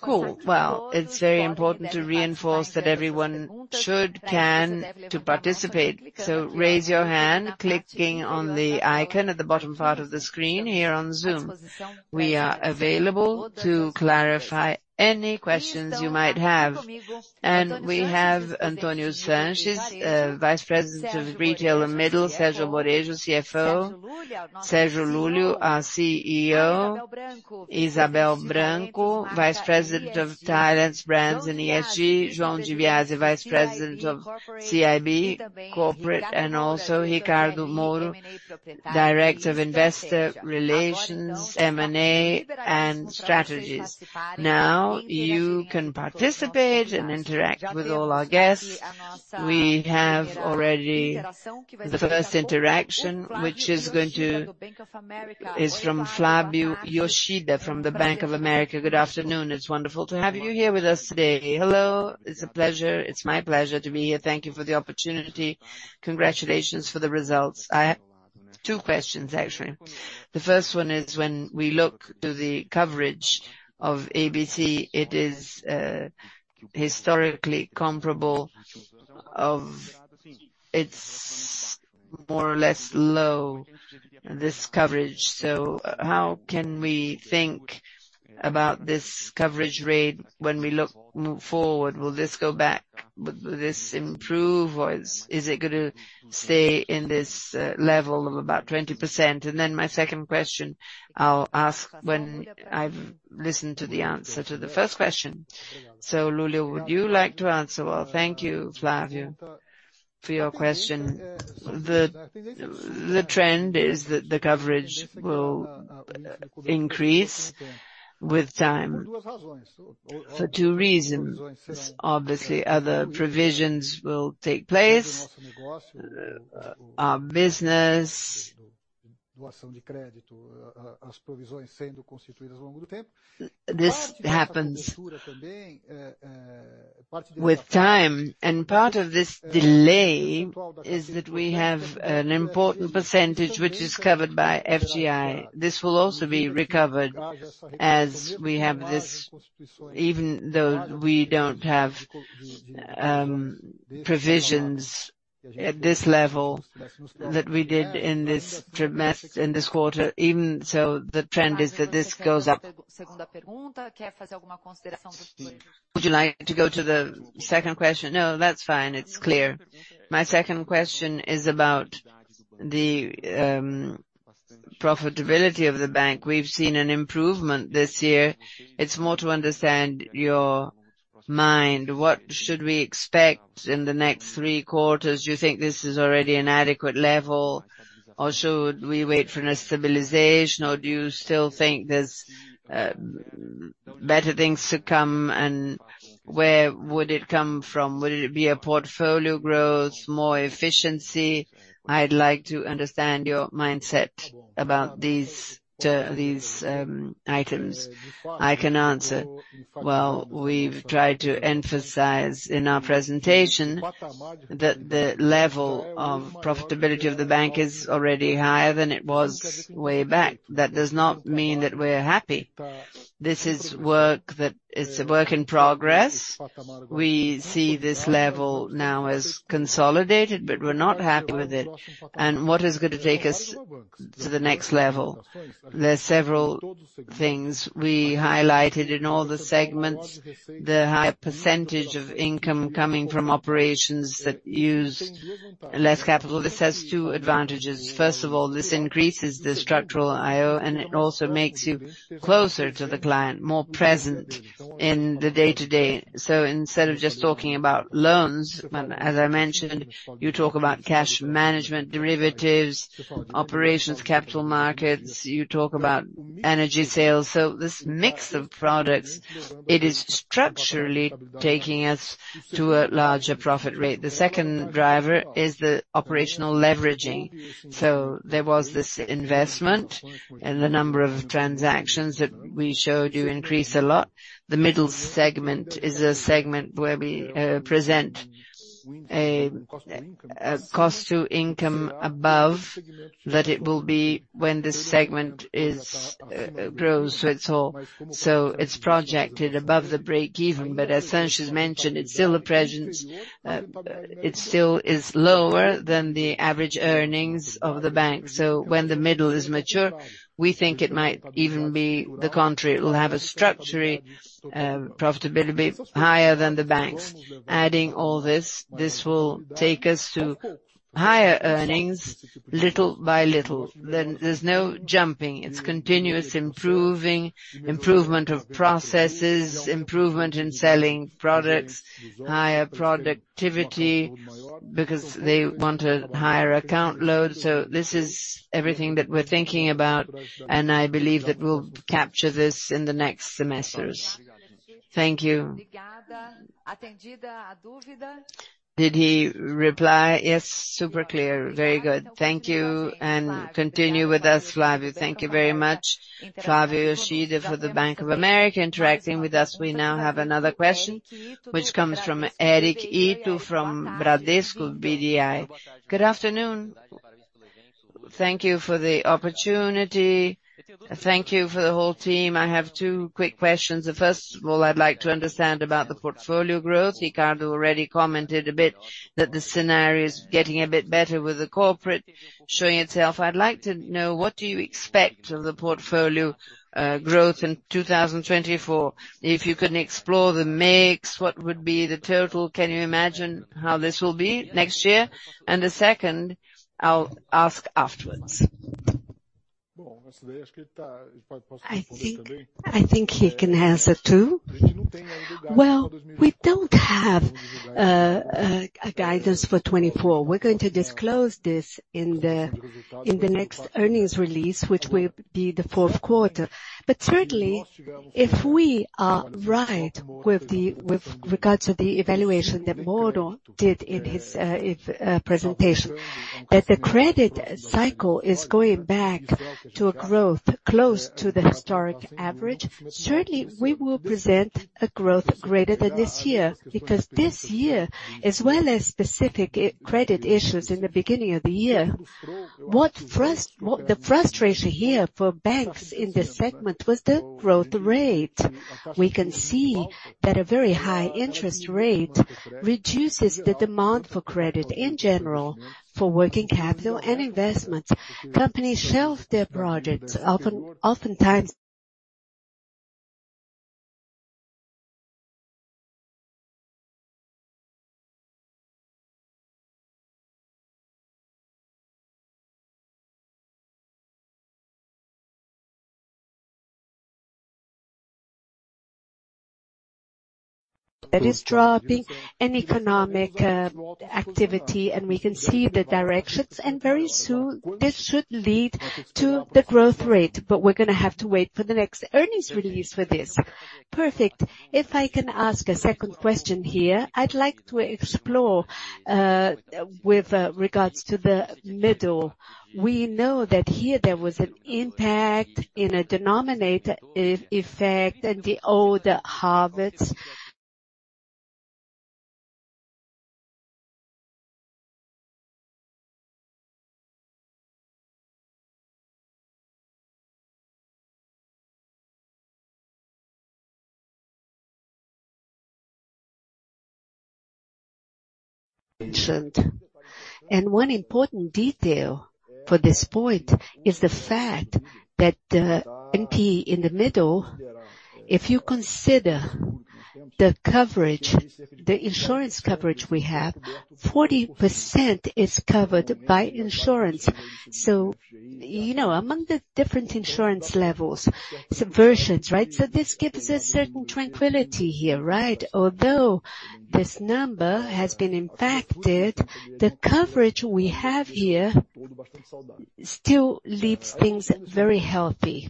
Cool. Well, it's very important to reinforce that everyone should, can, to participate. So raise your hand, clicking on the icon at the bottom part of the screen here on Zoom. We are available to clarify any questions you might have. We have Antonio Sanchez, Vice President of Retail and Middle, Sergio Moreijo, CFO, Sergio Lulu, our CEO, Isabel Branco, Vice President of Talents, Brands, and ESG, Juan Dibiasi, Vice President of CIB Corporate, and also Ricardo Moro, Director of Investor Relations, M&A, and Strategies. Now, you can participate and interact with all our guests. We have already the first interaction, which is going to be from Flavio Yoshida, from the Bank of America. Good afternoon. It's wonderful to have you here with us today. Hello. It's a pleasure. It's my pleasure to be here. Thank you for the opportunity. Congratulations for the results. I have two questions, actually. The first one is, when we look to the coverage of ABC, it is historically comparable of... It's more or less low, this coverage. So how can we think about this coverage rate when we look move forward? Will this go back, will this improve, or is it going to stay in this level of about 20%? My second question, I'll ask when I've listened to the answer to the first question. So, Lulu, would you like to answer? Well, thank you, Flavio, for your question. The trend is that the coverage will increase with time for two reasons. Obviously, other provisions will take place. Our business, this happens with time, and part of this delay is that we have an important percentage which is covered by FGI. This will also be recovered as we have this, even though we don't have provisions at this level that we did in this quarter. Even so, the trend is that this goes up. Would you like to go to the second question? No, that's fine. It's clear. My second question is about the profitability of the bank. We've seen an improvement this year. It's more to understand your mind. What should we expect in the next three quarters? Do you think this is already an adequate level, or should we wait for stabilization, or do you still think there's better things to come, and where would it come from? Would it be portfolio growth, more efficiency? I'd like to understand your mindset about these items. I can answer. Well, we've tried to emphasize in our presentation that the level of profitability of the bank is already higher than it was way back. That does not mean that we're happy. This is work that's a work in progress. We see this level now as consolidated, but we're not happy with it. What is going to take us to the next level? There are several things. We highlighted in all the segments, the higher percentage of income coming from operations that used less capital. This has two advantages. First of all, this increases the structural IO, and it also makes you closer to the client, more present in the day-to-day. Instead of just talking about loans, as I mentioned, you talk about cash management, derivatives, operations, capital markets, you talk about energy sales. This mix of products is structurally taking us to a larger profit rate. The second driver is the operational leveraging. There was this investment and the number of transactions that we showed you increase a lot. The middle segment is a segment where we present- A cost to income above that it will be when this segment grows, so it's all projected above the break even, but as Sanchez mentioned, it's still a presence. It still is lower than the average earnings of the bank. So when the middle is mature, we think it might even be the contrary. It will have a structural profitability higher than the banks. Adding all this, this will take us to higher earnings, little by little. There's no jumping. It's continuous improving, improvement of processes, improvement in selling products, higher productivity, because they want a higher account load. So this is everything that we're thinking about, and I believe that we'll capture this in the next semesters. Thank you. Did he reply? Yes, super clear. Very good. Thank you, and continue with us, Flavio. Thank you very much. Flavio Yoshida for the Bank of America, interacting with us. We now have another question, which comes from Eric Ito, from Bradesco BBI. Good afternoon. Thank you for the opportunity. Thank you for the whole team. I have two quick questions. First of all, I'd like to understand about the portfolio growth. Ricardo already commented a bit that the scenario is getting a bit better with the corporate showing itself. I'd like to know, what do you expect of the portfolio growth in 2024? If you can explore the mix, what would be the total? Can you imagine how this will be next year? And the second, I'll ask afterwards. I think he can answer, too. Well, we don't have a guidance for 2024. We're going to disclose this in the next earnings release, which will be the fourth quarter. But certainly, if we are right with regards to the evaluation that Moro did in his presentation, that the credit cycle is going back to a growth close to the historic average, certainly we will present a growth greater than this year, because this year, as well as specific credit issues in the beginning of the year, what the frustration here for banks in this segment was the growth rate. We can see that a very high interest rate reduces the demand for credit in general, for working capital and investment. Companies shelve their projects oftentimes. That is dropping an economic activity, and we can see the directions, and very soon, this should lead to the growth rate, but we're going to have to wait for the next earnings release for this. Perfect. If I can ask a second question here, I'd like to explore with regards to the middle. We know that here there was an impact in a denominator effect and the old harvests. One important detail for this point is the fact that the NP in the middle, if you consider the coverage, the insurance coverage we have, 40% is covered by insurance. Among the different insurance levels, subversions, right? This gives us a certain tranquility here, right? Although this number has been impacted, the coverage we have here still leaves things very healthy.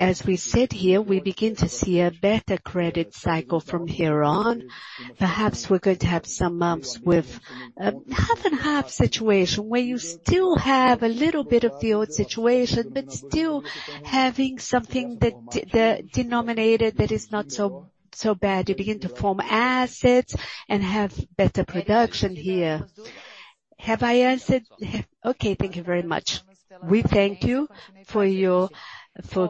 As we sit here, we begin to see a better credit cycle from here on. Perhaps we're going to have some months with a half and half situation, where you still have a little bit of the old situation, but still having something that denominated that is not so bad. You begin to form assets and have better production here. Have I answered? Okay, thank you very much. We thank you for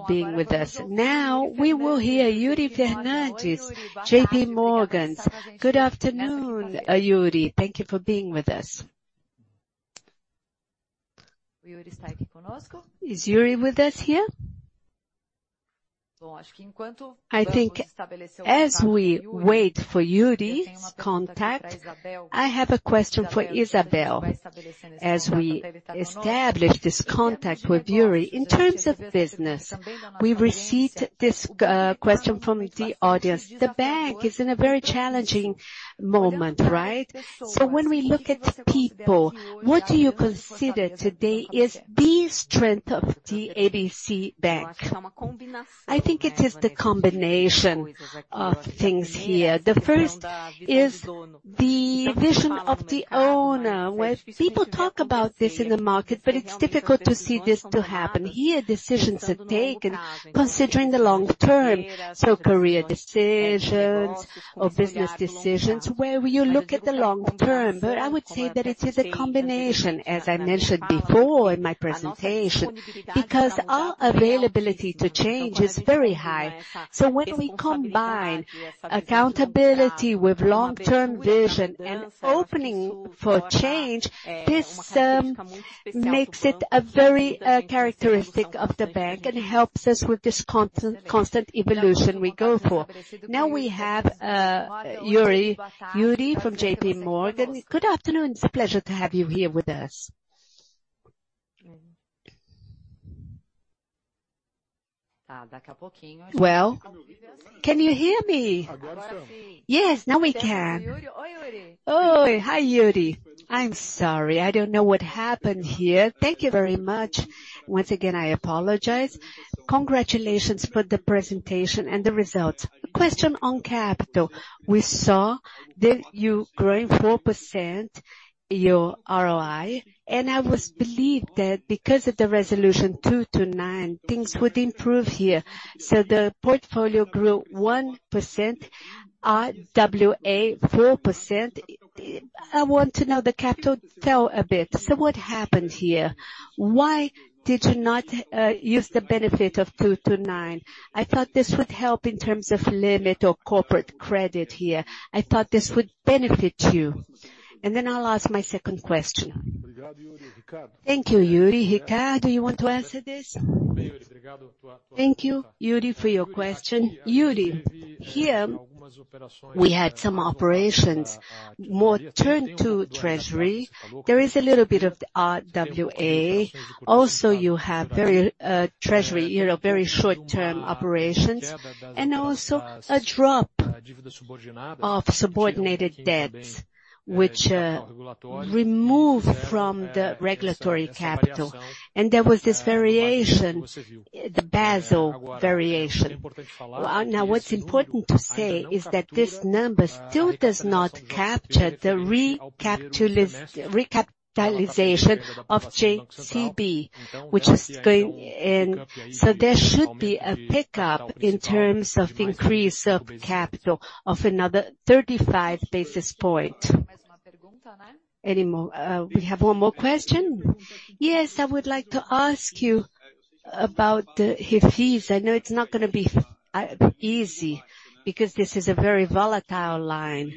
being with us. Now, we will hear Yuri Fernandes, JP Morgan. Good afternoon, Yuri. Thank you for being with us. Is Yuri with us here? I think as we wait for Yuri's contact, I have a question for Isabelle. As we establish this contact with Yuri, in terms of business, we've received this question from the audience. The bank is in a very challenging moment, right? So when we look at the people, what do you consider today is the strength of the ABC Bank? I think it is the combination of things here. The first is the vision of the owner, where people talk about this in the market, but it's difficult to see this to happen. Here, decisions are taken considering the long term, so career decisions or business decisions, where you look at the long term. But I would say that it is a combination, as I mentioned before in my presentation, because our availability to change is very high. So when we combine accountability with long-term vision and opening for change, this makes it a very characteristic of the bank and helps us with this constant evolution we go for. Now we have Yuri, Yuri from JP Morgan. Good afternoon. It's a pleasure to have you here with us. Well, can you hear me? Agora sim. Yes, now we can. Oi, Yuri! Hi, Yuri. I'm sorry, I don't know what happened here. Thank you very much. Once again, I apologize. Congratulations for the presentation and the results. A question on capital. We saw that you're growing 4% your ROI, and I believed that because of the resolution 209, things would improve here. So the portfolio grew 1%, RWA 4%. I want to know the capital fell a bit. So what happened here? Why did you not use the benefit of 209? I thought this would help in terms of limit or corporate credit here. I thought this would benefit you. And then I'll ask my second question. Thank you, Yuri. Ricardo, do you want to answer this? Thank you, Yuri, for your question. Yuri, here we had some operations, more turned to treasury. There is a little bit of RWA. Also, you have very treasury, you know, very short-term operations, and also a drop of subordinated debts, which removed from the regulatory capital. And there was this variation, the Basel variation. Well, now, what's important to say is that this number still does not capture the recapitalization of JCB, which is going in... So there should be a pickup in terms of increase of capital of another thirty-five basis points. Any more... We have one more question? Yes, I would like to ask you about the fees. I know it's not going to be easy because this is a very volatile line,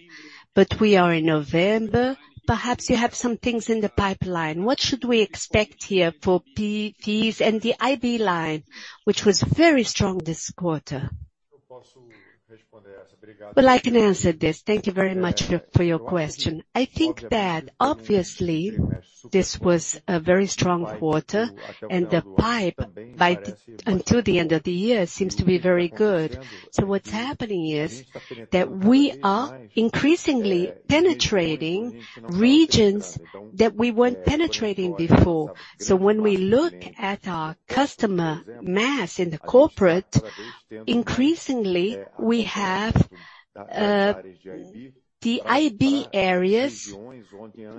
but we are in November. Perhaps you have some things in the pipeline. What should we expect here for fees and the IB line, which was very strong this quarter? Well, I can answer this. Thank you very much for your question. I think that obviously this was a very strong quarter, and the pipeline by the end of the year seems to be very good. So what's happening is that we are increasingly penetrating regions that we weren't penetrating before. So when we look at our customer mass in the corporate, increasingly we have the IB areas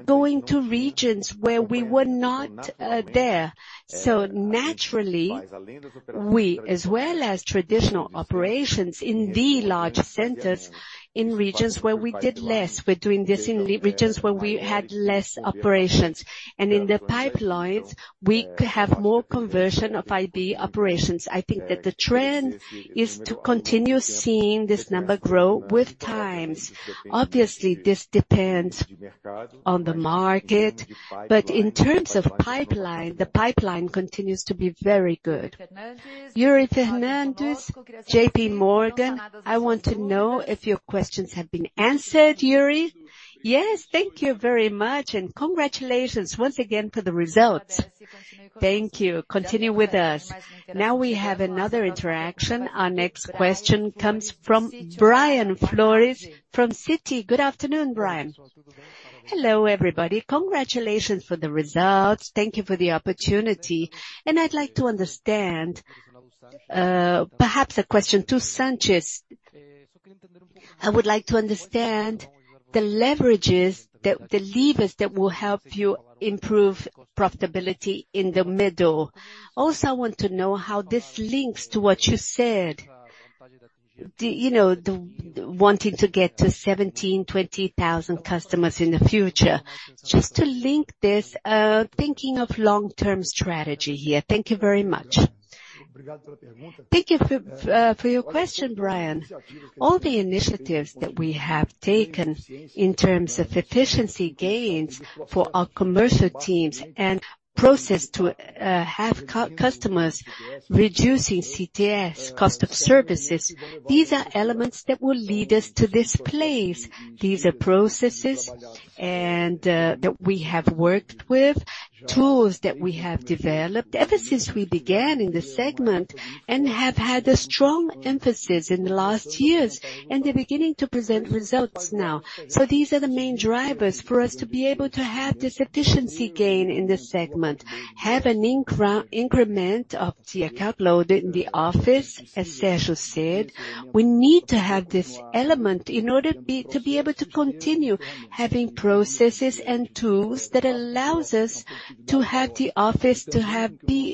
going to regions where we were not there. So naturally, we, as well as traditional operations in the large centers, in regions where we did less, we're doing this in regions where we had less operations. And in the pipelines, we have more conversion of IB operations. I think that the trend is to continue seeing this number grow with time. Obviously, this depends on the market, but in terms of pipeline, the pipeline continues to be very good. Yuri Fernandes, JP Morgan, I want to know if your questions have been answered, Yuri? Yes, thank you very much, and congratulations once again for the results. Thank you. Continue with us. Now we have another interaction. Our next question comes from Brian Flores from Citi. Good afternoon, Brian. Hello, everybody. Congratulations for the results. Thank you for the opportunity. I'd like to understand, perhaps a question to Sanchez. I would like to understand the leverages that-- the levers that will help you improve profitability in the middle. Also, I want to know how this links to what you said, the wanting to get to 17,000 to 20,000 customers in the future. Just to link this thinking of long-term strategy here. Thank you very much. Thank you for your question, Brian. All the initiatives that we have taken in terms of efficiency gains for our commercial teams and process to have customers reducing CTS cost of services, these are elements that will lead us to this place. These are processes that we have worked with, tools that we have developed ever since we began in this segment and have had a strong emphasis in the last years, and they're beginning to present results now. So these are the main drivers for us to be able to have this efficiency gain in this segment, have an increment of the account load in the office, as Sergio said. We need to have this element in order to be able to continue having processes and tools that allow us to have the office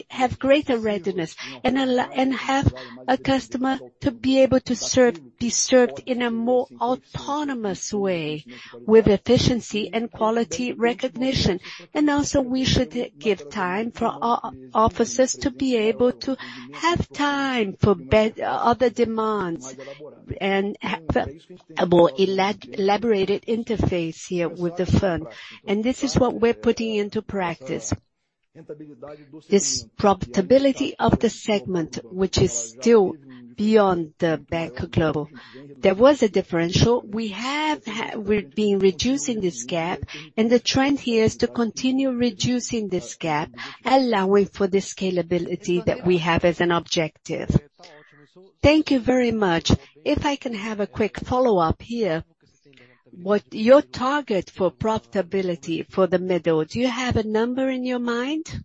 have greater readiness, and have a customer be able to be served in a more autonomous way, with efficiency and quality recognition. We should give time for our officers to be able to have time for other demands and have a more elaborated interface here with the firm. This is what we're putting into practice. This profitability of the segment, which is still beyond the bank global. There was a differential. We're being reducing this gap, and the trend here is to continue reducing this gap, allowing for the scalability that we have as an objective. Thank you very much. If I can have a quick follow-up here, what your target for profitability for the middle, do you have a number in your mind?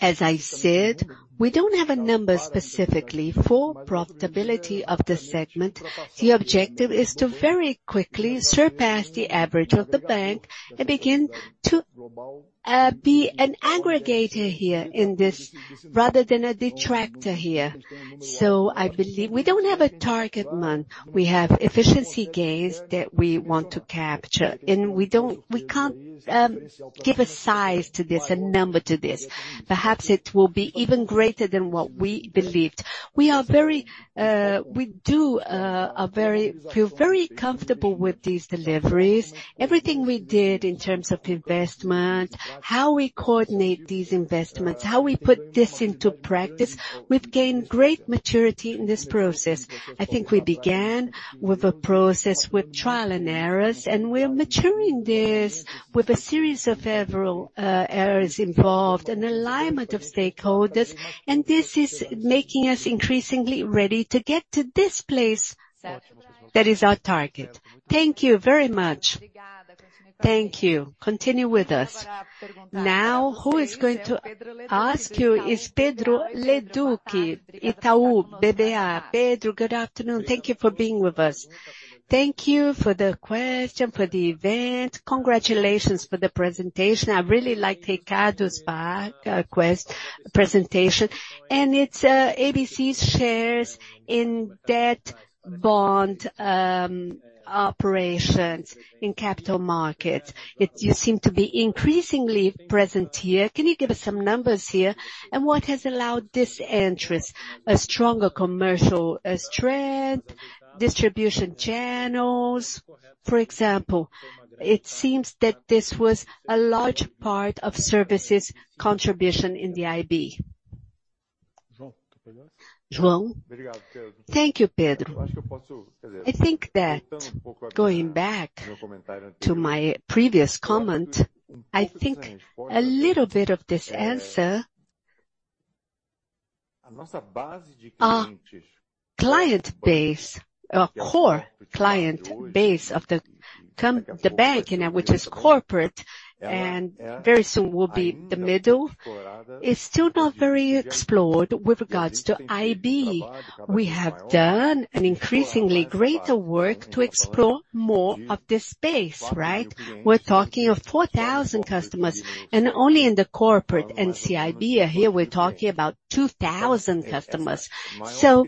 As I said, we don't have a number specifically for profitability of the segment. The objective is to very quickly surpass the average of the bank and begin to be an aggregator here in this, rather than a detractor here. I believe we don't have a target month. We have efficiency gains that we want to capture, and we can't give a size to this, a number to this. Perhaps it will be even greater than what we believed. We are very comfortable with these deliveries. Everything we did in terms of investment, how we coordinate these investments, how we put this into practice, we've gained great maturity in this process. I think we began with a process with trial and errors, and we're maturing this with a series of several errors involved and alignment of stakeholders, and this is making us increasingly ready to get to this place. That is our target. Thank you very much. Thank you. Continue with us. Now, who is going to ask you is Pedro LeDuc, Itaú BBA. Pedro, good afternoon. Thank you for being with us. Thank you for the question, for the event. Congratulations for the presentation. I really liked Ricardo's presentation, and it's ABC's shares in debt bond operations in capital markets. You seem to be increasingly present here. Can you give us some numbers here? And what has allowed this entrance? A stronger commercial, a strength, distribution channels, for example. It seems that this was a large part of services contribution in the IB. João? Thank you, Pedro. I think that going back to my previous comment, I think a little bit of this answer, our client base, our core client base of the bank, you know, which is corporate, and very soon will be the middle, is still not very explored with regards to IB. We have done increasingly greater work to explore more of this space, right? We're talking of 4,000 customers, and only in the corporate NCIB here, we're talking about 2,000 customers. So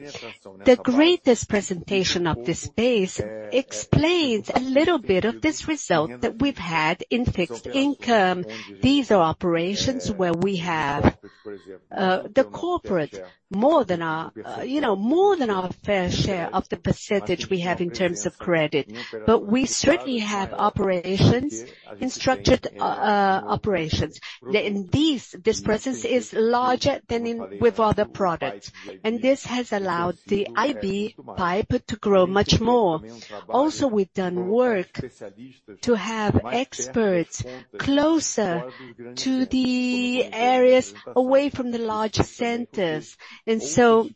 the greatest presentation of this space explains a little bit of this result that we've had in fixed income. These are operations where we have the corporate more than our fair share of the percentage we have in terms of credit. But we certainly have operations, structured operations. In these, this presence is larger than with other products, and this has allowed the IB pipe to grow much more. Also, we've done work to have experts closer to the areas away from the large centers. And so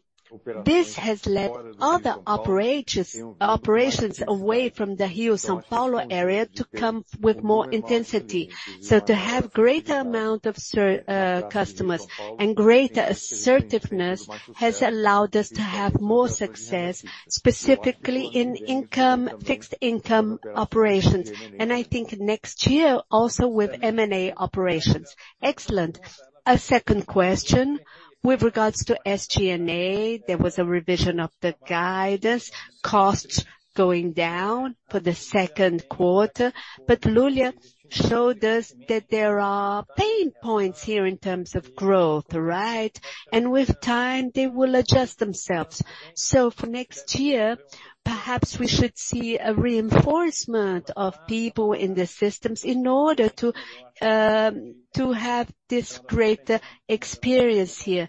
this has led other operations, operations away from the Rio, São Paulo area to come with more intensity. To have greater amount of service, customers and greater assertiveness has allowed us to have more success, specifically in income, fixed income operations, and I think next year, also with M&A operations. Excellent. A second question: with regards to SG&A, there was a revision of the guidance, costs going down for the second quarter, but Lulia showed us that there are pain points here in terms of growth, right? And with time, they will adjust themselves. For next year, perhaps we should see a reinforcement of people in the systems in order to have this greater experience here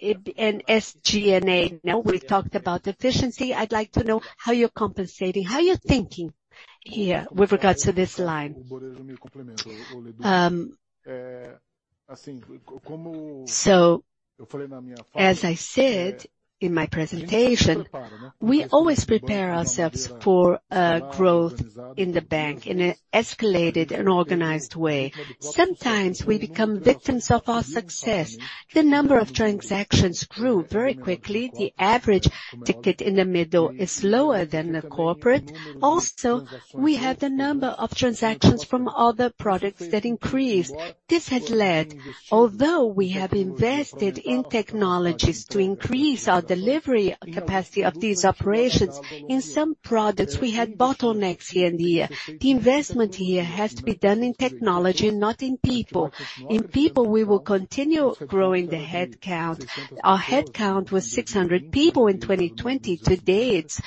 in SG&A. Now, we talked about efficiency. I'd like to know how you're compensating, how you're thinking here with regards to this line. As I said in my presentation, we always prepare ourselves for growth in the bank in an escalated and organized way. Sometimes we become victims of our success. The number of transactions grew very quickly. The average ticket in the middle is lower than the corporate. Also, we have the number of transactions from other products that increased. This has led, although we have invested in technologies to increase our delivery capacity of these operations, in some products, we had bottlenecks here and there. The investment here has to be done in technology, not in people. In people, we will continue growing the headcount. Our headcount was 600 people in 2020. Today, it's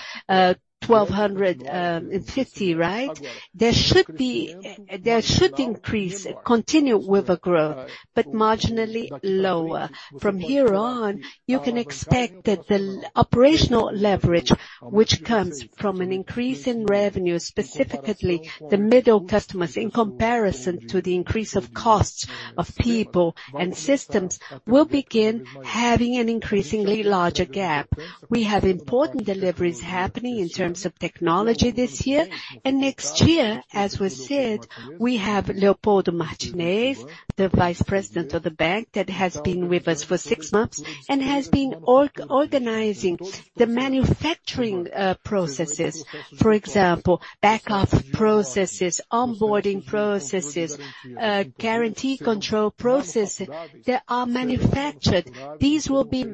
1,250, right? There should be—there should increase, continue with the growth, but marginally lower. From here on, you can expect that the operational leverage, which comes from an increase in revenue, specifically the middle customers, in comparison to the increase of costs of people and systems, will begin having an increasingly larger gap. We have important deliveries happening in terms of technology this year, and next year, as we said, we have Leopoldo Martinez, the Vice President of the bank, that has been with us for six months and has been organizing the manufacturing processes. For example, back-office processes, onboarding processes, guarantee control processes that are manufactured. These will be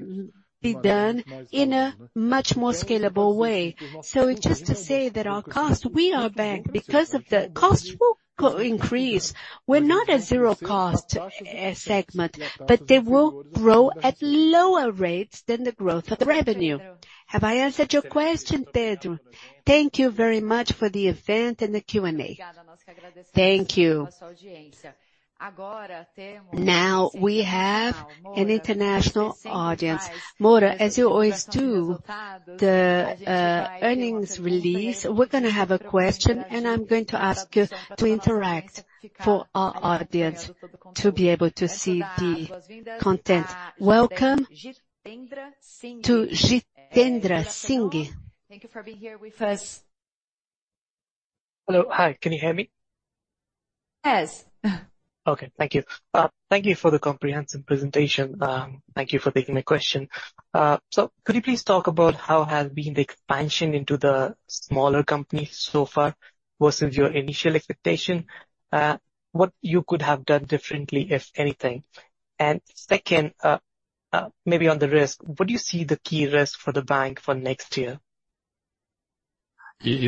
done in a much more scalable way. So just to say that our costs, we are a bank. Because of the costs will increase, we're not a zero-cost segment, but they will grow at lower rates than the growth of the revenue. Have I answered your question, Pedro? Thank you very much for the event and the Q&A. Thank you. Now we have an international audience. Mora, as you always do, the earnings release, we're going to have a question, and I'm going to ask you to interact for our audience to be able to see the content. Welcome, Jitendra Singh. Thank you for being here with us. Hello. Hi, can you hear me? Yes. Thank you for the comprehensive presentation. Thank you for taking my question. Could you please talk about how the expansion into the smaller companies has been so far versus your initial expectation? What could you have done differently, if anything? And second, maybe on the risk, what do you see as the key risk for the bank for next year? I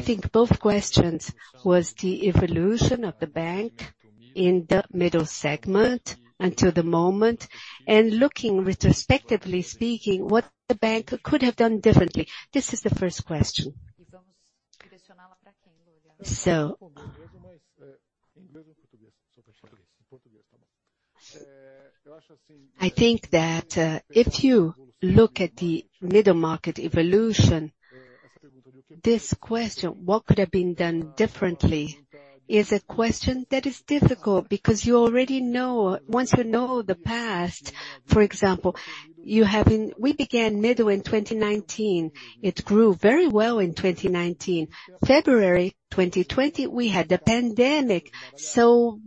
think both questions were the evolution of the bank in the middle segment until the moment, and looking retrospectively speaking, what the bank could have done differently. This is the first question. I think that if you look at the middle market evolution, this question, what could have been done differently, is a question that is difficult because you already know... Once you know the past, for example, you have been-- we began middle in 2019. It grew very well in 2019. February 2020, we had the pandemic, so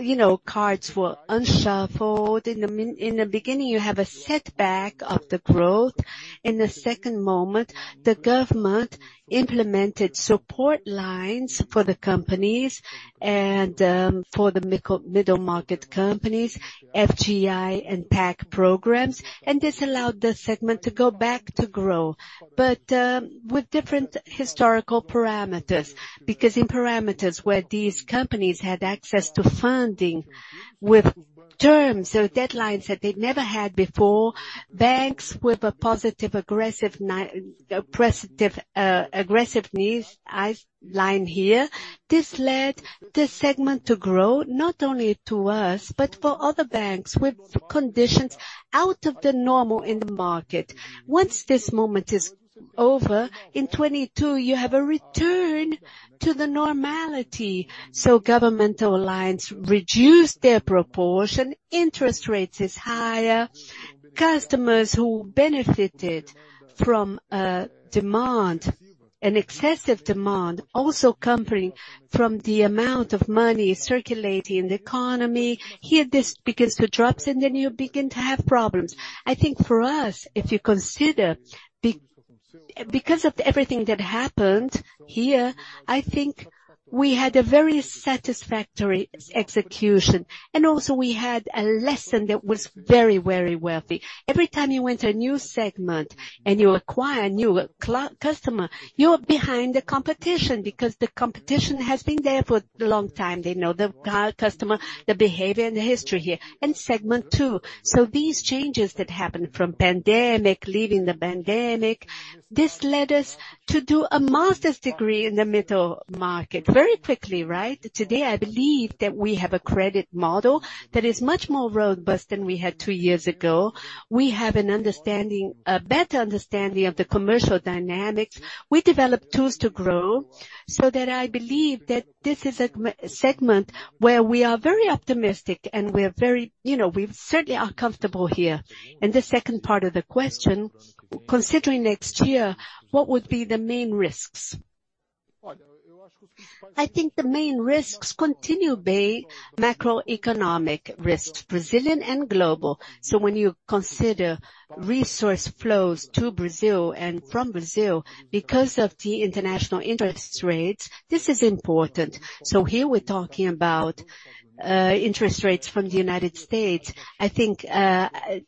you know, cards were unshuffled. In the beginning, you have a setback of the growth. In the second moment, the government implemented support lines for the companies and for the middle market companies, FGI and PAC programs, and this allowed the segment to go back to grow. With different historical parameters, because in parameters where these companies had access to funding with terms or deadlines that they'd never had before, banks with a positive, aggressive oppressive aggressiveness line here, this led the segment to grow, not only to us, but for other banks, with conditions out of the normal in the market. Once this moment is over, in 2022, you have a return to the normality, so governmental alliance reduced their proportion, interest rates is higher. Customers who benefited from an excessive demand, also coming from the amount of money circulating in the economy. Here, this begins to drop, and then you begin to have problems. I think for us, if you consider because of everything that happened here, I think we had a very satisfactory execution, and also we had a lesson that was very, very worthy. Every time you enter a new segment and you acquire a new customer, you're behind the competition, because the competition has been there for a long time. They know the customer, the behavior and the history here, and segment too. These changes that happened from pandemic, leaving the pandemic, this led us to do a master's degree in the middle market very quickly, right? Today, I believe that we have a credit model that is much more robust than we had two years ago. We have an understanding, a better understanding of the commercial dynamics. We developed tools to grow, so that I believe that this is a segment where we are very optimistic and we're very, you know, we certainly are comfortable here. The second part of the question: considering next year, what would be the main risks? I think the main risks continue being macroeconomic risks, Brazilian and global. So when you consider resource flows to Brazil and from Brazil, because of the international interest rates, this is important. So here we're talking about interest rates from the United States. I think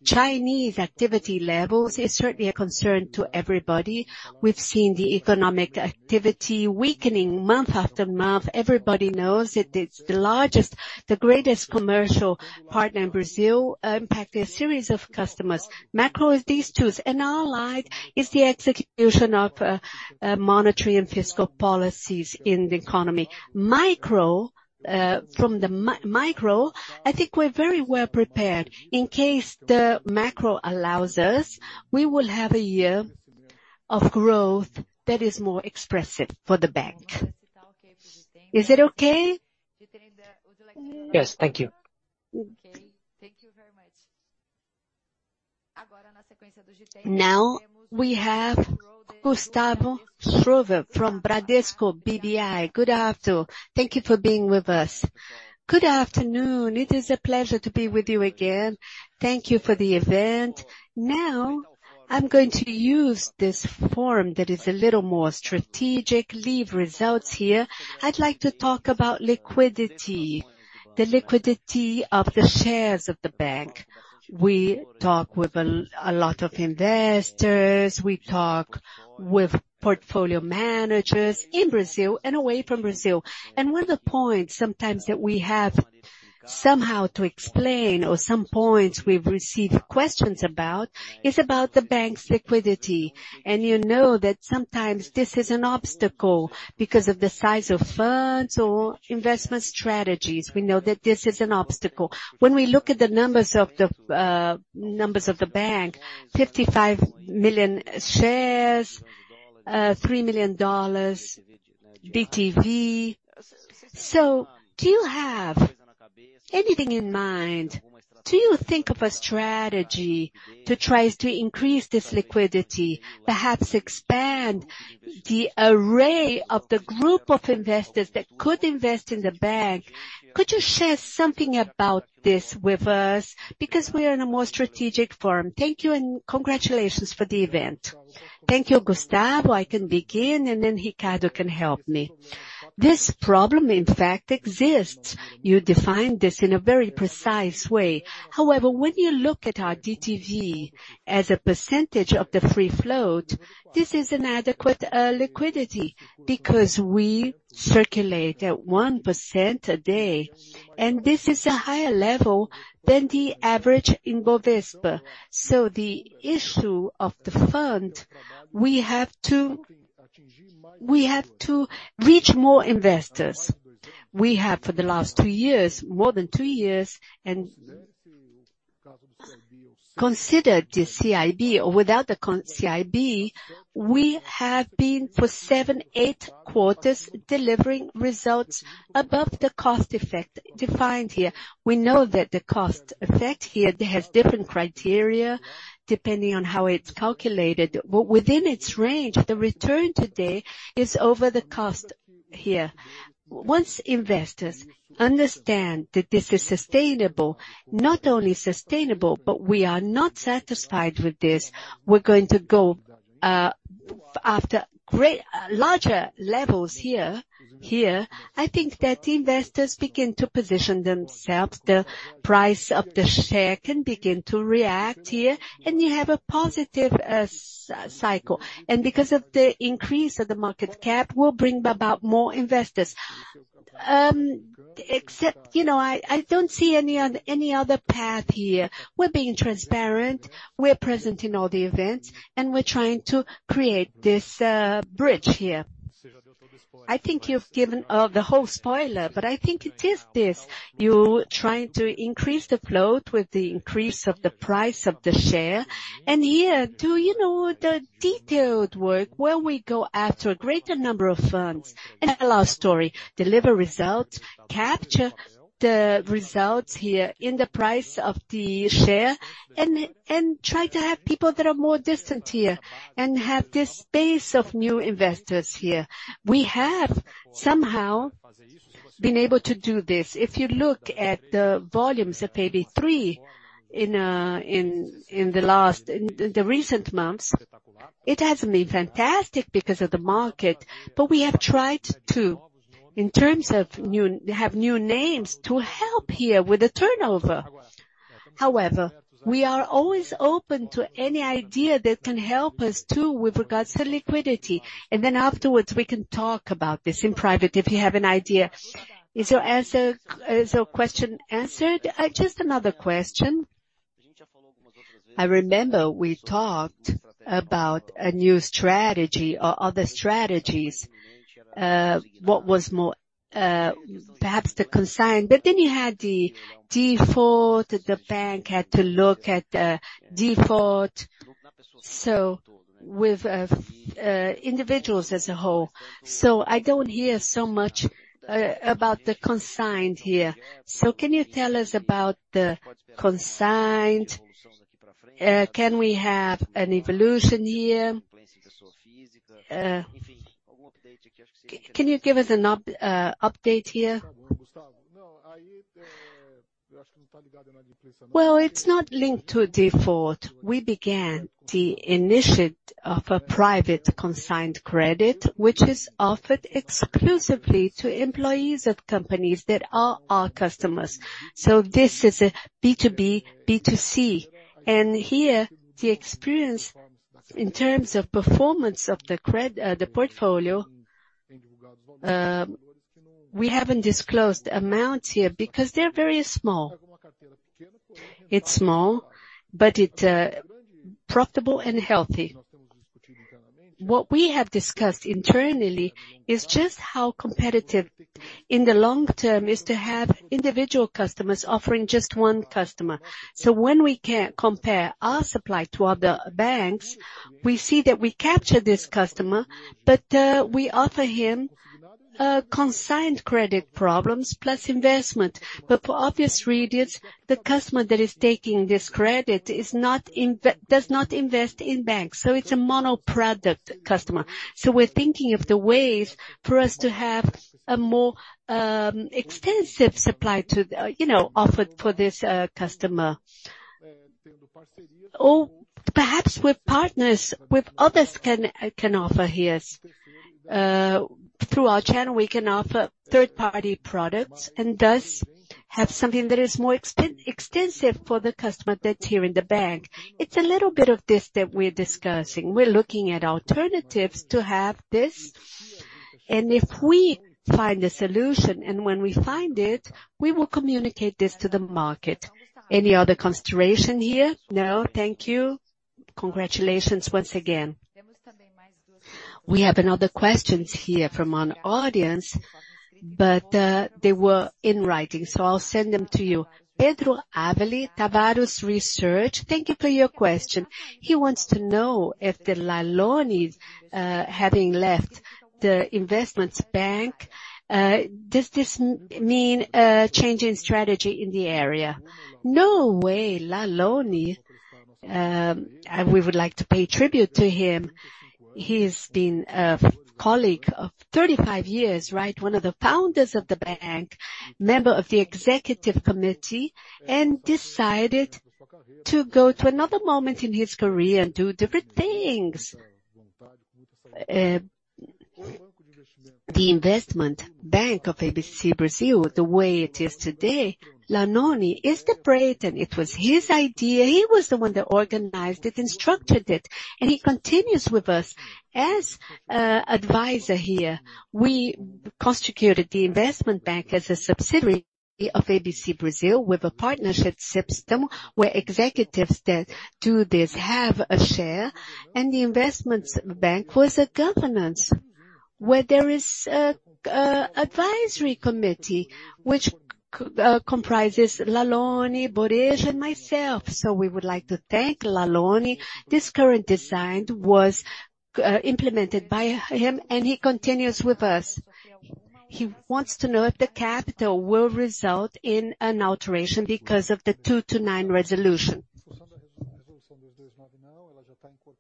Chinese activity levels is certainly a concern to everybody. We've seen the economic activity weakening month after month. Everybody knows it. It's the largest, the greatest commercial partner in Brazil, impact a series of customers. Macro is these tools, and our light is the execution of monetary and fiscal policies in the economy. Micro, from the micro, I think we're very well prepared. In case the macro allows us, we will have a year of growth that is more expressive for the bank. Is it okay? Yes, thank you. Okay, thank you very much. Now, we have Gustavo Schroeder from Bradesco BBI. Good afternoon, thank you for being with us. Good afternoon. It is a pleasure to be with you again. Thank you for the event. Now, I'm going to use this forum that is a little more strategic, leave results here. I'd like to talk about liquidity, the liquidity of the shares of the bank. We talk with a lot of investors, we talk with portfolio managers in Brazil and away from Brazil. One of the points sometimes that we have somehow to explain or some points we've received questions about, is about the bank's liquidity. You know that sometimes this is an obstacle because of the size of funds or investment strategies. We know that this is an obstacle. When we look at the numbers of the bank, fifty-five million shares, three million dollars DTV. So do you have anything in mind? Do you think of a strategy to try to increase this liquidity, perhaps expand the array of the group of investors that could invest in the bank? Could you share something about this with us? Because we are in a more strategic forum. Thank you, and congratulations for the event. Thank you, Gustavo. I can begin, and then Ricardo can help me. This problem, in fact, exists. You defined this in a very precise way. However, when you look at our DTV as a percentage of the free float, this is adequate liquidity because we circulate at 1% a day, and this is a higher level than the average in Bovespa. The issue of the fund, we have to reach more investors. We have, for the last two years, more than two years, and consider the CIB or without the CIB, we have been for seven, eight quarters, delivering results above the cost of equity defined here. We know that the cost of equity here has different criteria, depending on how it's calculated, but within its range, the return today is over the cost here. Once investors understand that this is sustainable, not only sustainable, but we are not satisfied with this, we're going to go after larger levels here. I think that investors begin to position themselves. The price of the share can begin to react here, and you have a positive cycle. Because of the increase of the market cap, we'll bring about more investors. Except, you know, I don't see any other path here. We're being transparent, we're present in all the events, and we're trying to create this bridge here. I think you've given the whole spoiler, but I think it is this, you trying to increase the float with the increase of the price of the share. And here, do you know the detailed work, where we go after a greater number of funds? And our story, deliver results, capture the results here in the price of the share, and try to have people that are more distant here and have this base of new investors here. We have somehow been able to do this. If you look at the volumes of AB3 in the recent months, it hasn't been fantastic because of the market, but we have tried to, in terms of new... Have new names to help here with the turnover. However, we are always open to any idea that can help us, too, with regards to liquidity, and then afterwards, we can talk about this in private if you have an idea. Is your answer, is your question answered? Just another question. I remember we talked about a new strategy or other strategies, what was more, perhaps the consigned, but then you had the default, the bank had to look at the default, so with individuals as a whole. So I don't hear so much about the consigned here. So can you tell us about the consigned? Can we have an evolution here? Can you give us an update here? Well, it's not linked to a default. We began the initiative of a private consigned credit, which is offered exclusively to employees of companies that are our customers. So this is a B2B, B2C, and here, the experience in terms of performance of the credit, the portfolio, we haven't disclosed amounts here because they're very small. It's small, but profitable and healthy. What we have discussed internally is just how competitive in the long term is to have individual customers offering just one customer. So when we compare our supply to other banks, we see that we capture this customer, but we offer him consigned credit problems plus investment. But for obvious reasons, the customer that is taking this credit is not investing, does not invest in banks, so it's a mono-product customer. So we're thinking of the ways for us to have a more extensive supply to offer for this customer. Or perhaps with partners, with others can offer here through our channel, we can offer third-party products and, thus, have something that is more extensive for the customer that's here in the bank. It's a little bit of this that we're discussing. We're looking at alternatives to have this. And if we find a solution, and when we find it, we will communicate this to the market. Any other consideration here? No. Thank you. Congratulations once again. We have another questions here from our audience, but they were in writing, so I'll send them to you. Pedro Avili, Tavares Research, thank you for your question. He wants to know if Laloni's having left the investment bank does this mean a change in strategy in the area? No way! Laloni, and we would like to pay tribute to him. He's been a colleague of thirty-five years, right? One of the founders of the bank, member of the Executive Committee, and decided to go to another moment in his career and do different things. The investment bank of ABC Brazil, the way it is today, Laloni is the brain and it was his idea. He was the one that organized it and structured it, and he continues with us as advisor here. We constituted the investment bank as a subsidiary of ABC Brazil, with a partnership system, where executives that do this have a share, and the investment bank was a governance, where there is an advisory committee, which comprises Laloni, Boresh, and myself. So we would like to thank Laloni. This current design was implemented by him, and he continues with us. He wants to know if the capital will result in an alteration because of the two to nine resolution.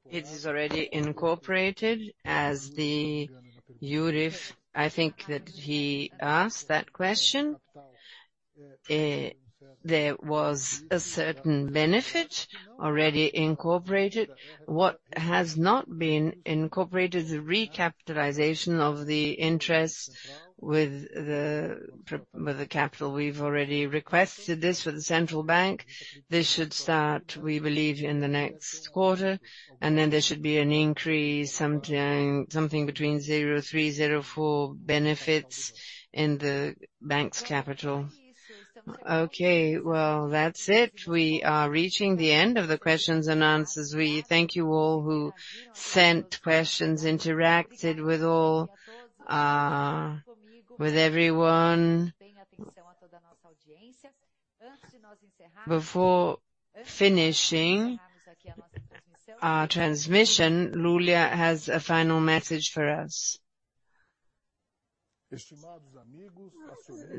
It is already incorporated as the Yurif-- I think that he asked that question. There was a certain benefit already incorporated. What has not been incorporated, the recapitalization of the interest with the capital. We've already requested this with the Central Bank. This should start, we believe, in the next quarter, and then there should be an increase, something between 0.3%, 0.4% benefits in the bank's capital. Okay, well, that's it. We are reaching the end of the questions and answers. We thank you all who sent questions, interacted with everyone. Before finishing our transmission, Lulia has a final message for us.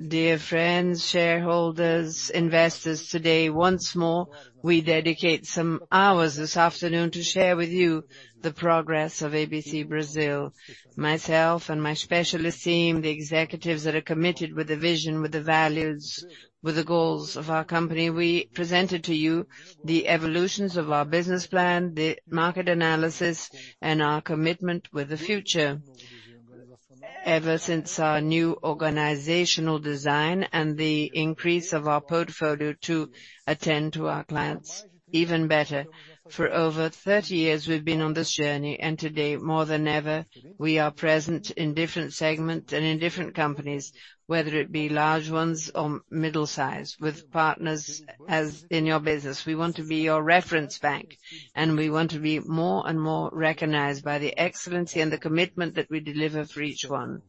Dear friends, shareholders, investors, today, once more, we dedicate some hours this afternoon to share with you the progress of ABC Brazil. Myself and my specialist team, the executives that are committed with the vision, with the values, with the goals of our company, we present to you the evolutions of our business plan, the market analysis, and our commitment with the future. Ever since our new organizational design and the increase of our portfolio to attend to our clients even better. For over thirty years, we've been on this journey, and today, more than ever, we are present in different segments and in different companies, whether it be large ones or middle size, with partners as in your business. We want to be your reference bank, and we want to be more and more recognized by the excellence and the commitment that we deliver for each one.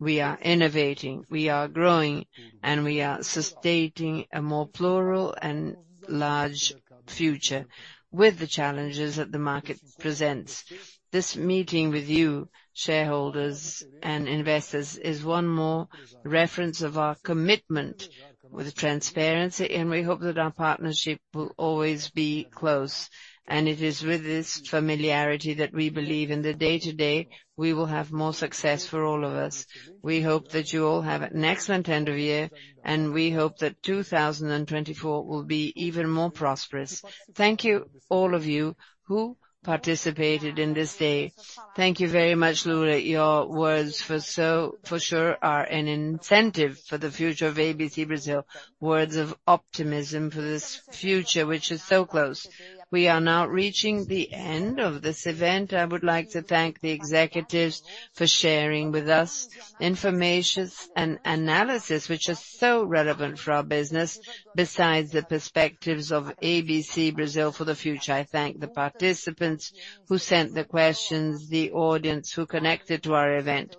We are innovating, we are growing, and we are sustaining a more plural and large future with the challenges that the market presents. This meeting with you, shareholders and investors, is one more reference of our commitment with transparency, and we hope that our partnership will always be close. It is with this familiarity that we believe in the day-to-day, we will have more success for all of us. We hope that you all have an excellent end of year, and we hope that 2024 will be even more prosperous. Thank you, all of you, who participated in this day. Thank you very much, Lulia. Your words, for sure, are an incentive for the future of ABC Brazil. Words of optimism for this future, which is so close. We are now reaching the end of this event. I would like to thank the executives for sharing with us information and analysis, which is so relevant for our business, besides the perspectives of ABC Brazil for the future. I thank the participants who sent the questions, the audience who connected to our event.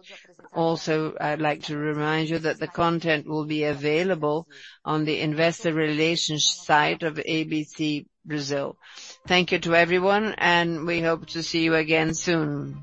Also, I'd like to remind you that the content will be available on the investor relations site of ABC Brazil. Thank you to everyone, and we hope to see you again soon.